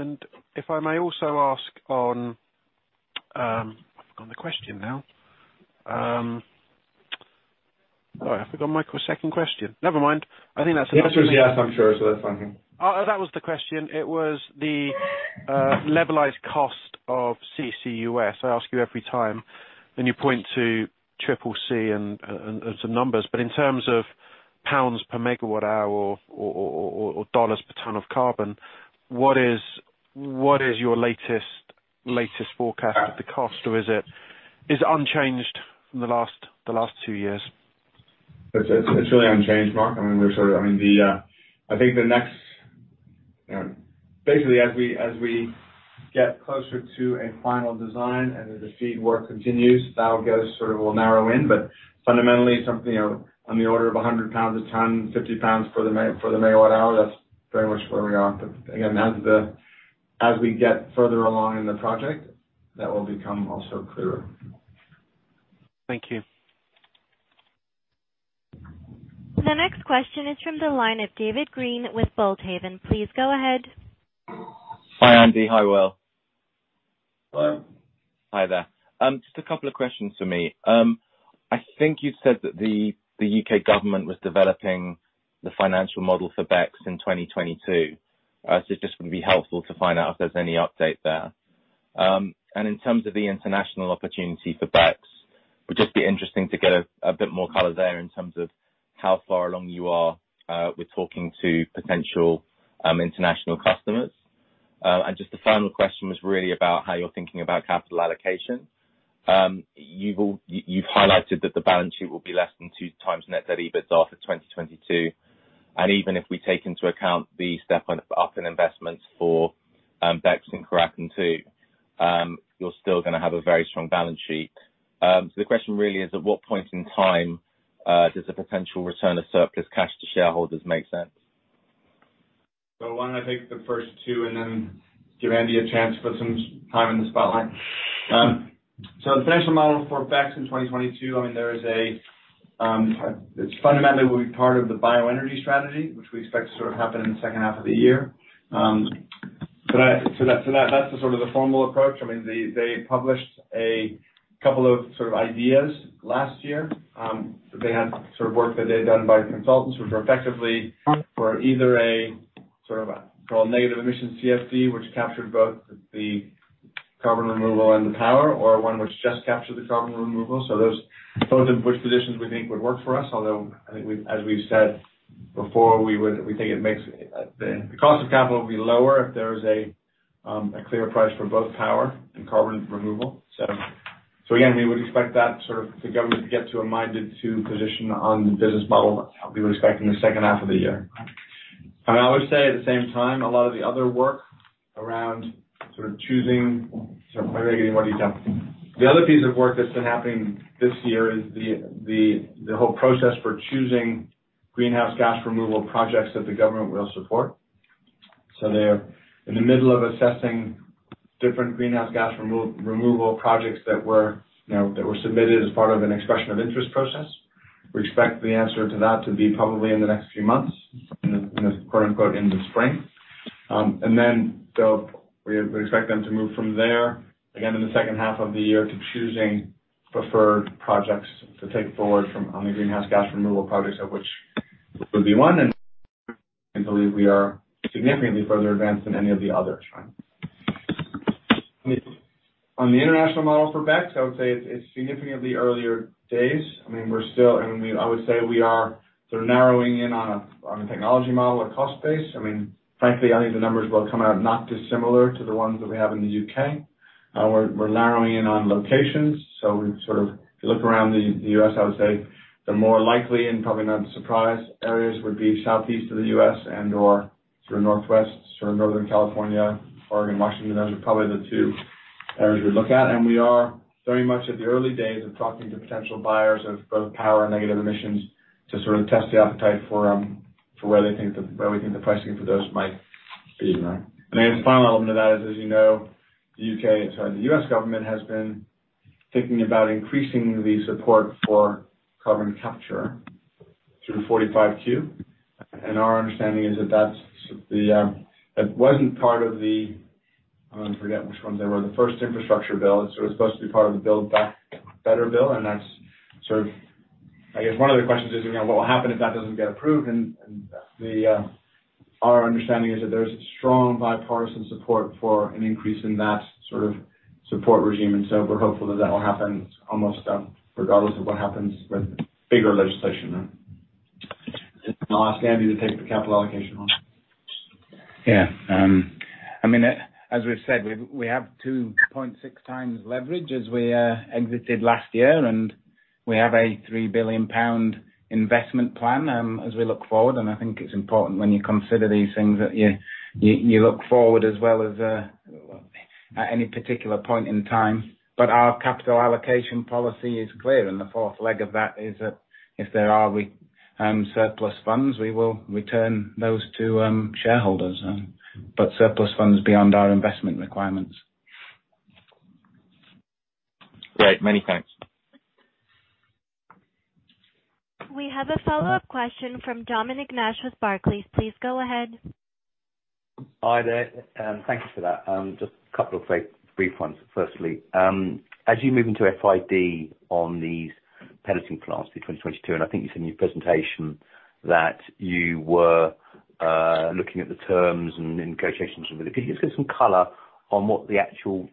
If I may also ask on, I've forgotten the question now. Oh, I forgot my second question. Never mind. I think that's- The answer is yes, I'm sure. That's fine. Oh, that was the question. It was the levelized cost of CCUS. I ask you every time, then you point to CCC and some numbers. But in terms of pounds per megawatt hour or dollars per ton of carbon, what is your latest forecast of the cost? Or is it unchanged from the last two years? It's really unchanged, Mark. I mean, we're sort of. I mean, I think the next, you know. Basically, as we get closer to a final design and as the FEED work continues, that'll get a sort of a narrow in. But fundamentally something, you know, on the order of 100 pounds a ton, 50 pounds for the MWh, that's very much where we are. But again, as we get further along in the project, that will become also clearer. Thank you. The next question is from the line of David Greene with Boldhaven. Please go ahead. Hi, Andy. Hi, Will. Hi. Hi there. Just a couple of questions for me. I think you said that the U.K. government was developing the financial model for BECCS in 2022. So it just would be helpful to find out if there's any update there. In terms of the international opportunity for BECCS, it would just be interesting to get a bit more color there in terms of how far along you are with talking to potential international customers. Just the final question was really about how you're thinking about capital allocation. You've highlighted that the balance sheet will be less than two times net debt EBITDA after 2022. Even if we take into account the step up in investments for BECCS in Cruachan II, you're still gonna have a very strong balance sheet. The question really is, at what point in time, does the potential return of surplus cash to shareholders make sense? Why don't I take the first two and then give Andy a chance to put some time in the spotlight? The financial model for BECCS in 2022, I mean, it's fundamentally will be part of the Biomass Strategy, which we expect to sort of happen in the second half of the year. That's the sort of formal approach. I mean, they published a couple of sort of ideas last year. They had sort of work that they had done by consultants, which were effectively for either a sort of a negative emission CFD, which captured both the carbon removal and the power, or one which just captured the carbon removal. Those are the push positions we think would work for us. Although, I think we've as we've said before, we think it makes the cost of capital be lower if there is a clear price for both power and carbon removal. We would expect the government to get to a minded to position on the business model that we were expecting the second half of the year. I would say at the same time, a lot of the other work around sort of choosing. Sorry, I'm getting watery eyes. The other piece of work that's been happening this year is the whole process for choosing greenhouse gas removal projects that the government will support. They're in the middle of assessing different greenhouse gas removal projects that were submitted as part of an expression of interest process. We expect the answer to that to be probably in the next few months, in the quote-unquote spring. We expect them to move from there again in the second half of the year to choosing preferred projects to take forward from on the greenhouse gas removal projects, of which would be one. I believe we are significantly further advanced than any of the others. On the international model for BECCS, I would say it's significantly earlier days. I mean, I would say we are sort of narrowing in on a technology model, a cost base. I mean, frankly, I think the numbers will come out not dissimilar to the ones that we have in the U.K. We're narrowing in on locations. We sort of look around the U.S. I would say the more likely and probably not surprise areas would be southeast of the U.S. and/or sort of northwest, sort of Northern California, Oregon, Washington. Those are probably the two areas we look at. We are very much at the early days of talking to potential buyers of both power and negative emissions to sort of test the appetite for where we think the pricing for those might be, you know. Then the final element of that is, as you know, the U.K., the U.S. government has been thinking about increasing the support for carbon capture through 45Q. Our understanding is that that's the that wasn't part of the, I forget which ones they were, the first infrastructure bill. It's sort of supposed to be part of the Build Back Better Act, and that's sort of I guess one of the questions is, you know, what will happen if that doesn't get approved? The our understanding is that there's strong bipartisan support for an increase in that sort of support regime. We're hopeful that that will happen almost regardless of what happens with bigger legislation. I'll ask Andy to take the capital allocation one. Yeah. I mean, as we've said, we have 2.6x leverage as we exited last year, and we have a 3 billion pound investment plan as we look forward. I think it's important when you consider these things that you look forward as well as at any particular point in time. Our capital allocation policy is clear. The fourth leg of that is that if there are surplus funds, we will return those to shareholders, but surplus funds beyond our investment requirements. Great. Many thanks. We have a follow-up question from Dominic Nash with Barclays. Please go ahead. Hi there, and thank you for that. Just a couple of quick brief ones. Firstly, as you move into FID on these pelleting plants in 2022, and I think it's in your presentation that you were looking at the terms and negotiations with it. Can you just give some color on what the actual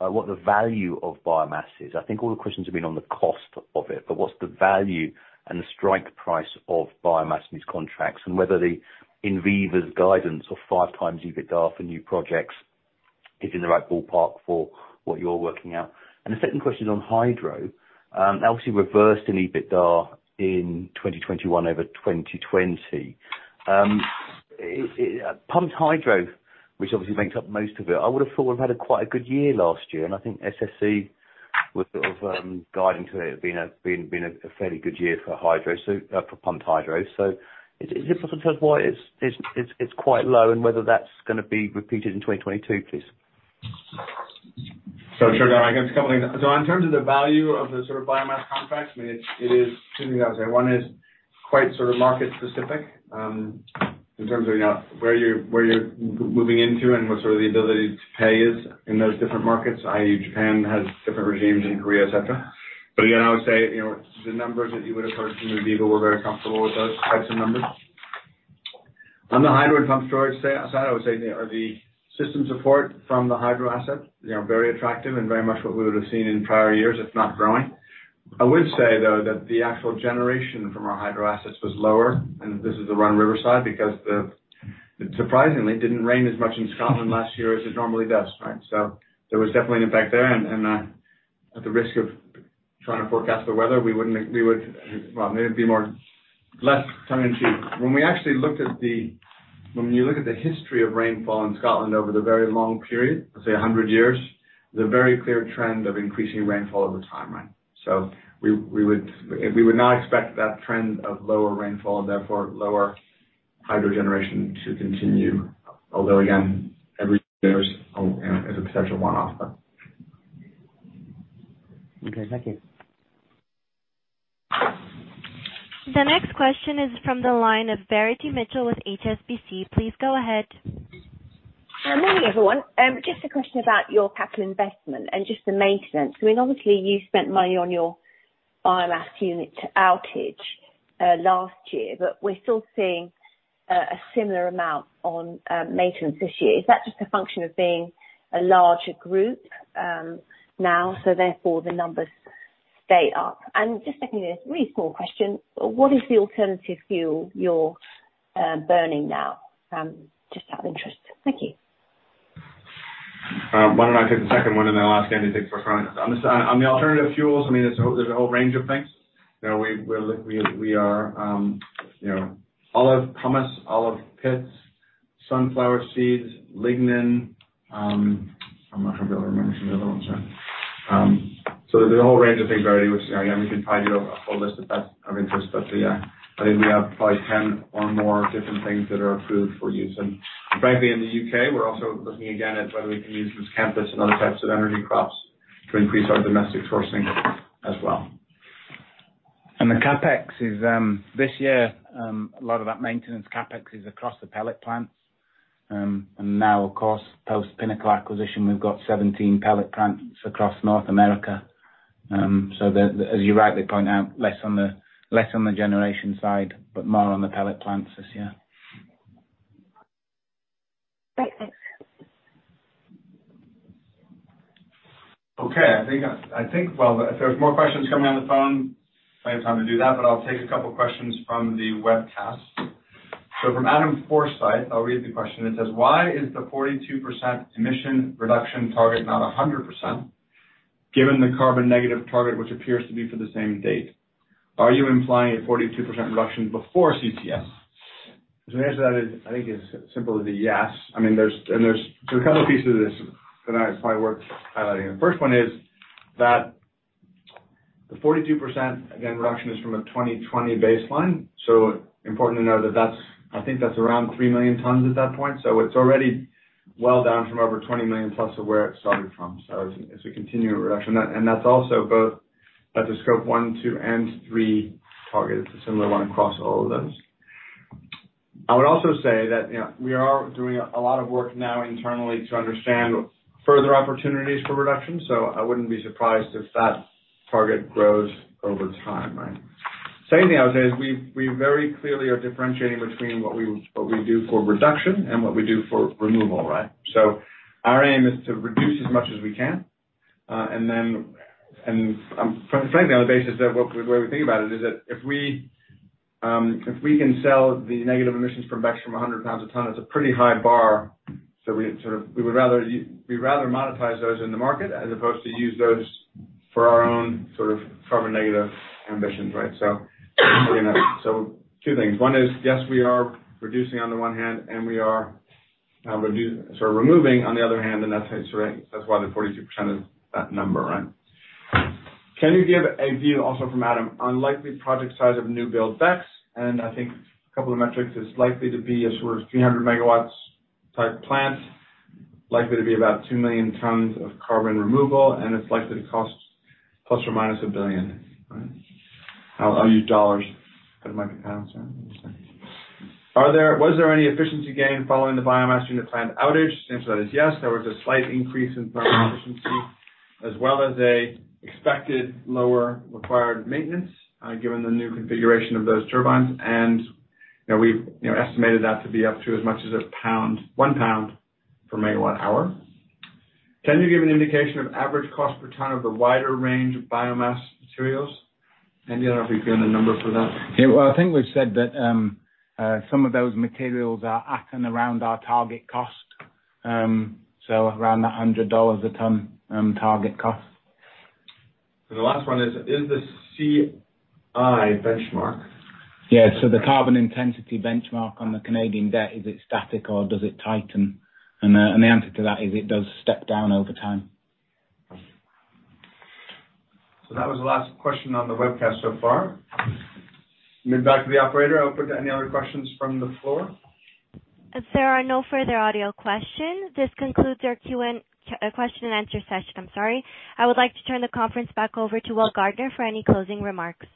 what the value of biomass is? I think all the questions have been on the cost of it, but what's the value and the strike price of biomass in these contracts and whether the Enviva's guidance of 5x EBITDA for new projects is in the right ballpark for what you're working out. The second question is on hydro. That obviously reversed in EBITDA in 2021 over 2020. Pumped hydro, which obviously makes up most of it, I would have thought we've had quite a good year last year, and I think SSE was sort of guiding to it being a fairly good year for hydro for pumped hydro. Is it possible to tell us why it's quite low and whether that's gonna be repeated in 2022, please? Sure, Dom, I can take that. In terms of the value of the sort of biomass contracts, I mean, it is two things I would say. One is quite sort of market specific, in terms of, you know, where you're moving into and what sort of the ability to pay is in those different markets, i.e., Japan has different regimes than Korea, et cetera. Again, I would say, you know, the numbers that you would have heard from Enviva we're very comfortable with those types of numbers. On the hydro and pumped storage side, I would say are the system support from the hydro asset, you know, very attractive and very much what we would have seen in prior years. It's not growing. I would say, though, that the actual generation from our hydro assets was lower, and this is the run-of-river side, because it surprisingly didn't rain as much in Scotland last year as it normally does, right? There was definitely an impact there. At the risk of trying to forecast the weather, well, maybe it'd be more or less tongue-in-cheek. When you look at the history of rainfall in Scotland over the very long period, let's say 100 years, there's a very clear trend of increasing rainfall over time. Right? We would not expect that trend of lower rainfall, therefore lower hydro generation to continue. Although, again, every year, you know, is a potential one-off. Okay. Thank you. The next question is from the line of Verity Mitchell with HSBC. Please go ahead. Hi. Morning, everyone. Just a question about your capital investment and just the maintenance. I mean, obviously, you spent money on your biomass unit outage last year, but we're still seeing- A similar amount on maintenance this issue. Is that just a function of being a larger group now, so therefore the numbers stay up? Just secondly, a really small question, what is the alternative fuel you're burning now? Just out of interest. Thank you. Why don't I take the second one, and then I'll ask Andy to take the first one. On the alternative fuels, I mean, there's a whole range of things. You know, we are, you know, olive pomace, olive pits, sunflower seeds, lignin, I'm not going to be able to remember some of the other ones. So there's a whole range of things already, which, you know, again, we can probably do a full list of those of interest. But yeah, I think we have probably 10 or more different things that are approved for use. Frankly, in the U.K., we're also looking again at whether we can use Miscanthus and other types of energy crops to increase our domestic sourcing as well. The CapEx is, this year, a lot of that maintenance CapEx is across the pellet plants. Now of course post Pinnacle acquisition, we've got 17 pellet plants across North America. As you rightly point out, less on the generation side, but more on the pellet plants this year. Great. Thanks. Okay. I think, well, if there's more questions coming on the phone, we might have time to do that, but I'll take a couple questions from the webcast. From Adam Forsyth, I'll read the question. It says, Why is the 42% emission reduction target not 100% given the carbon negative target, which appears to be for the same date? Are you implying a 42% reduction before CCS? The answer to that is, I think it's simple as a yes. I mean, there's a couple pieces of this that I probably worth highlighting. The first one is that the 42%, again, reduction is from a 2020 baseline. Important to know that that's, I think that's around 3 million tons at that point. It's already well down from over 20 million tons of where it started from. As we continue a reduction. That's also both at the Scope 1, 2, and 3 targets. A similar one across all of those. I would also say that, you know, we are doing a lot of work now internally to understand further opportunities for reduction. I wouldn't be surprised if that target grows over time, right? Second thing I would say is we very clearly are differentiating between what we do for reduction and what we do for removal, right? Our aim is to reduce as much as we can. And then, frankly, on the basis that what the way we think about it is that if we can sell the negative emissions from BECCS from 100 pounds a ton, it's a pretty high bar. We sort of, we would rather we'd rather monetize those in the market as opposed to use those for our own sort of carbon negative ambitions, right? You know. Two things. One is, yes, we are reducing on the one hand, and we are sort of removing on the other hand, and that's right, that's why the 42% is that number, right? Can you give a view, also from Adam, on likely project size of new build BECCS? I think a couple of metrics is likely to be as sort of 300 MW type plant, likely to be about 2 million tons of carbon removal, and it's likely to cost ±$1 billion, right? I'll use dollars, but it might be pounds. Was there any efficiency gain following the biomass unit plant outage? The answer to that is yes, there was a slight increase in plant efficiency as well as an expected lower required maintenance, given the new configuration of those turbines. You know, we've, you know, estimated that to be up to as much as 1 pound per megawatt hour. Can you give an indication of average cost per ton of the wider range of biomass materials? Andy, I don't know if you've given a number for that. Well, I think we've said that some of those materials are at and around our target cost. Around $100 a ton target cost. The last one is, Is the CI benchmark? Yeah. The carbon intensity benchmark on the Canadian debt, is it static or does it tighten? The answer to that is it does step down over time. That was the last question on the webcast so far. Move back to the operator, open to any other questions from the floor. There are no further audio questions. This concludes our, question-and-answer session. I'm sorry. I would like to turn the conference back over to Will Gardiner for any closing remarks.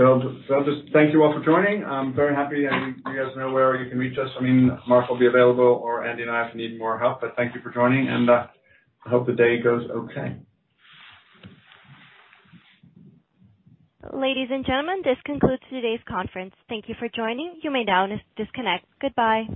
I'll just thank you all for joining. I'm very happy, and you guys know where you can reach us. I mean, Mark will be available or Andy and I if you need more help. Thank you for joining, and I hope the day goes okay. Ladies and gentlemen, this concludes today's conference. Thank you for joining. You may now disconnect. Goodbye.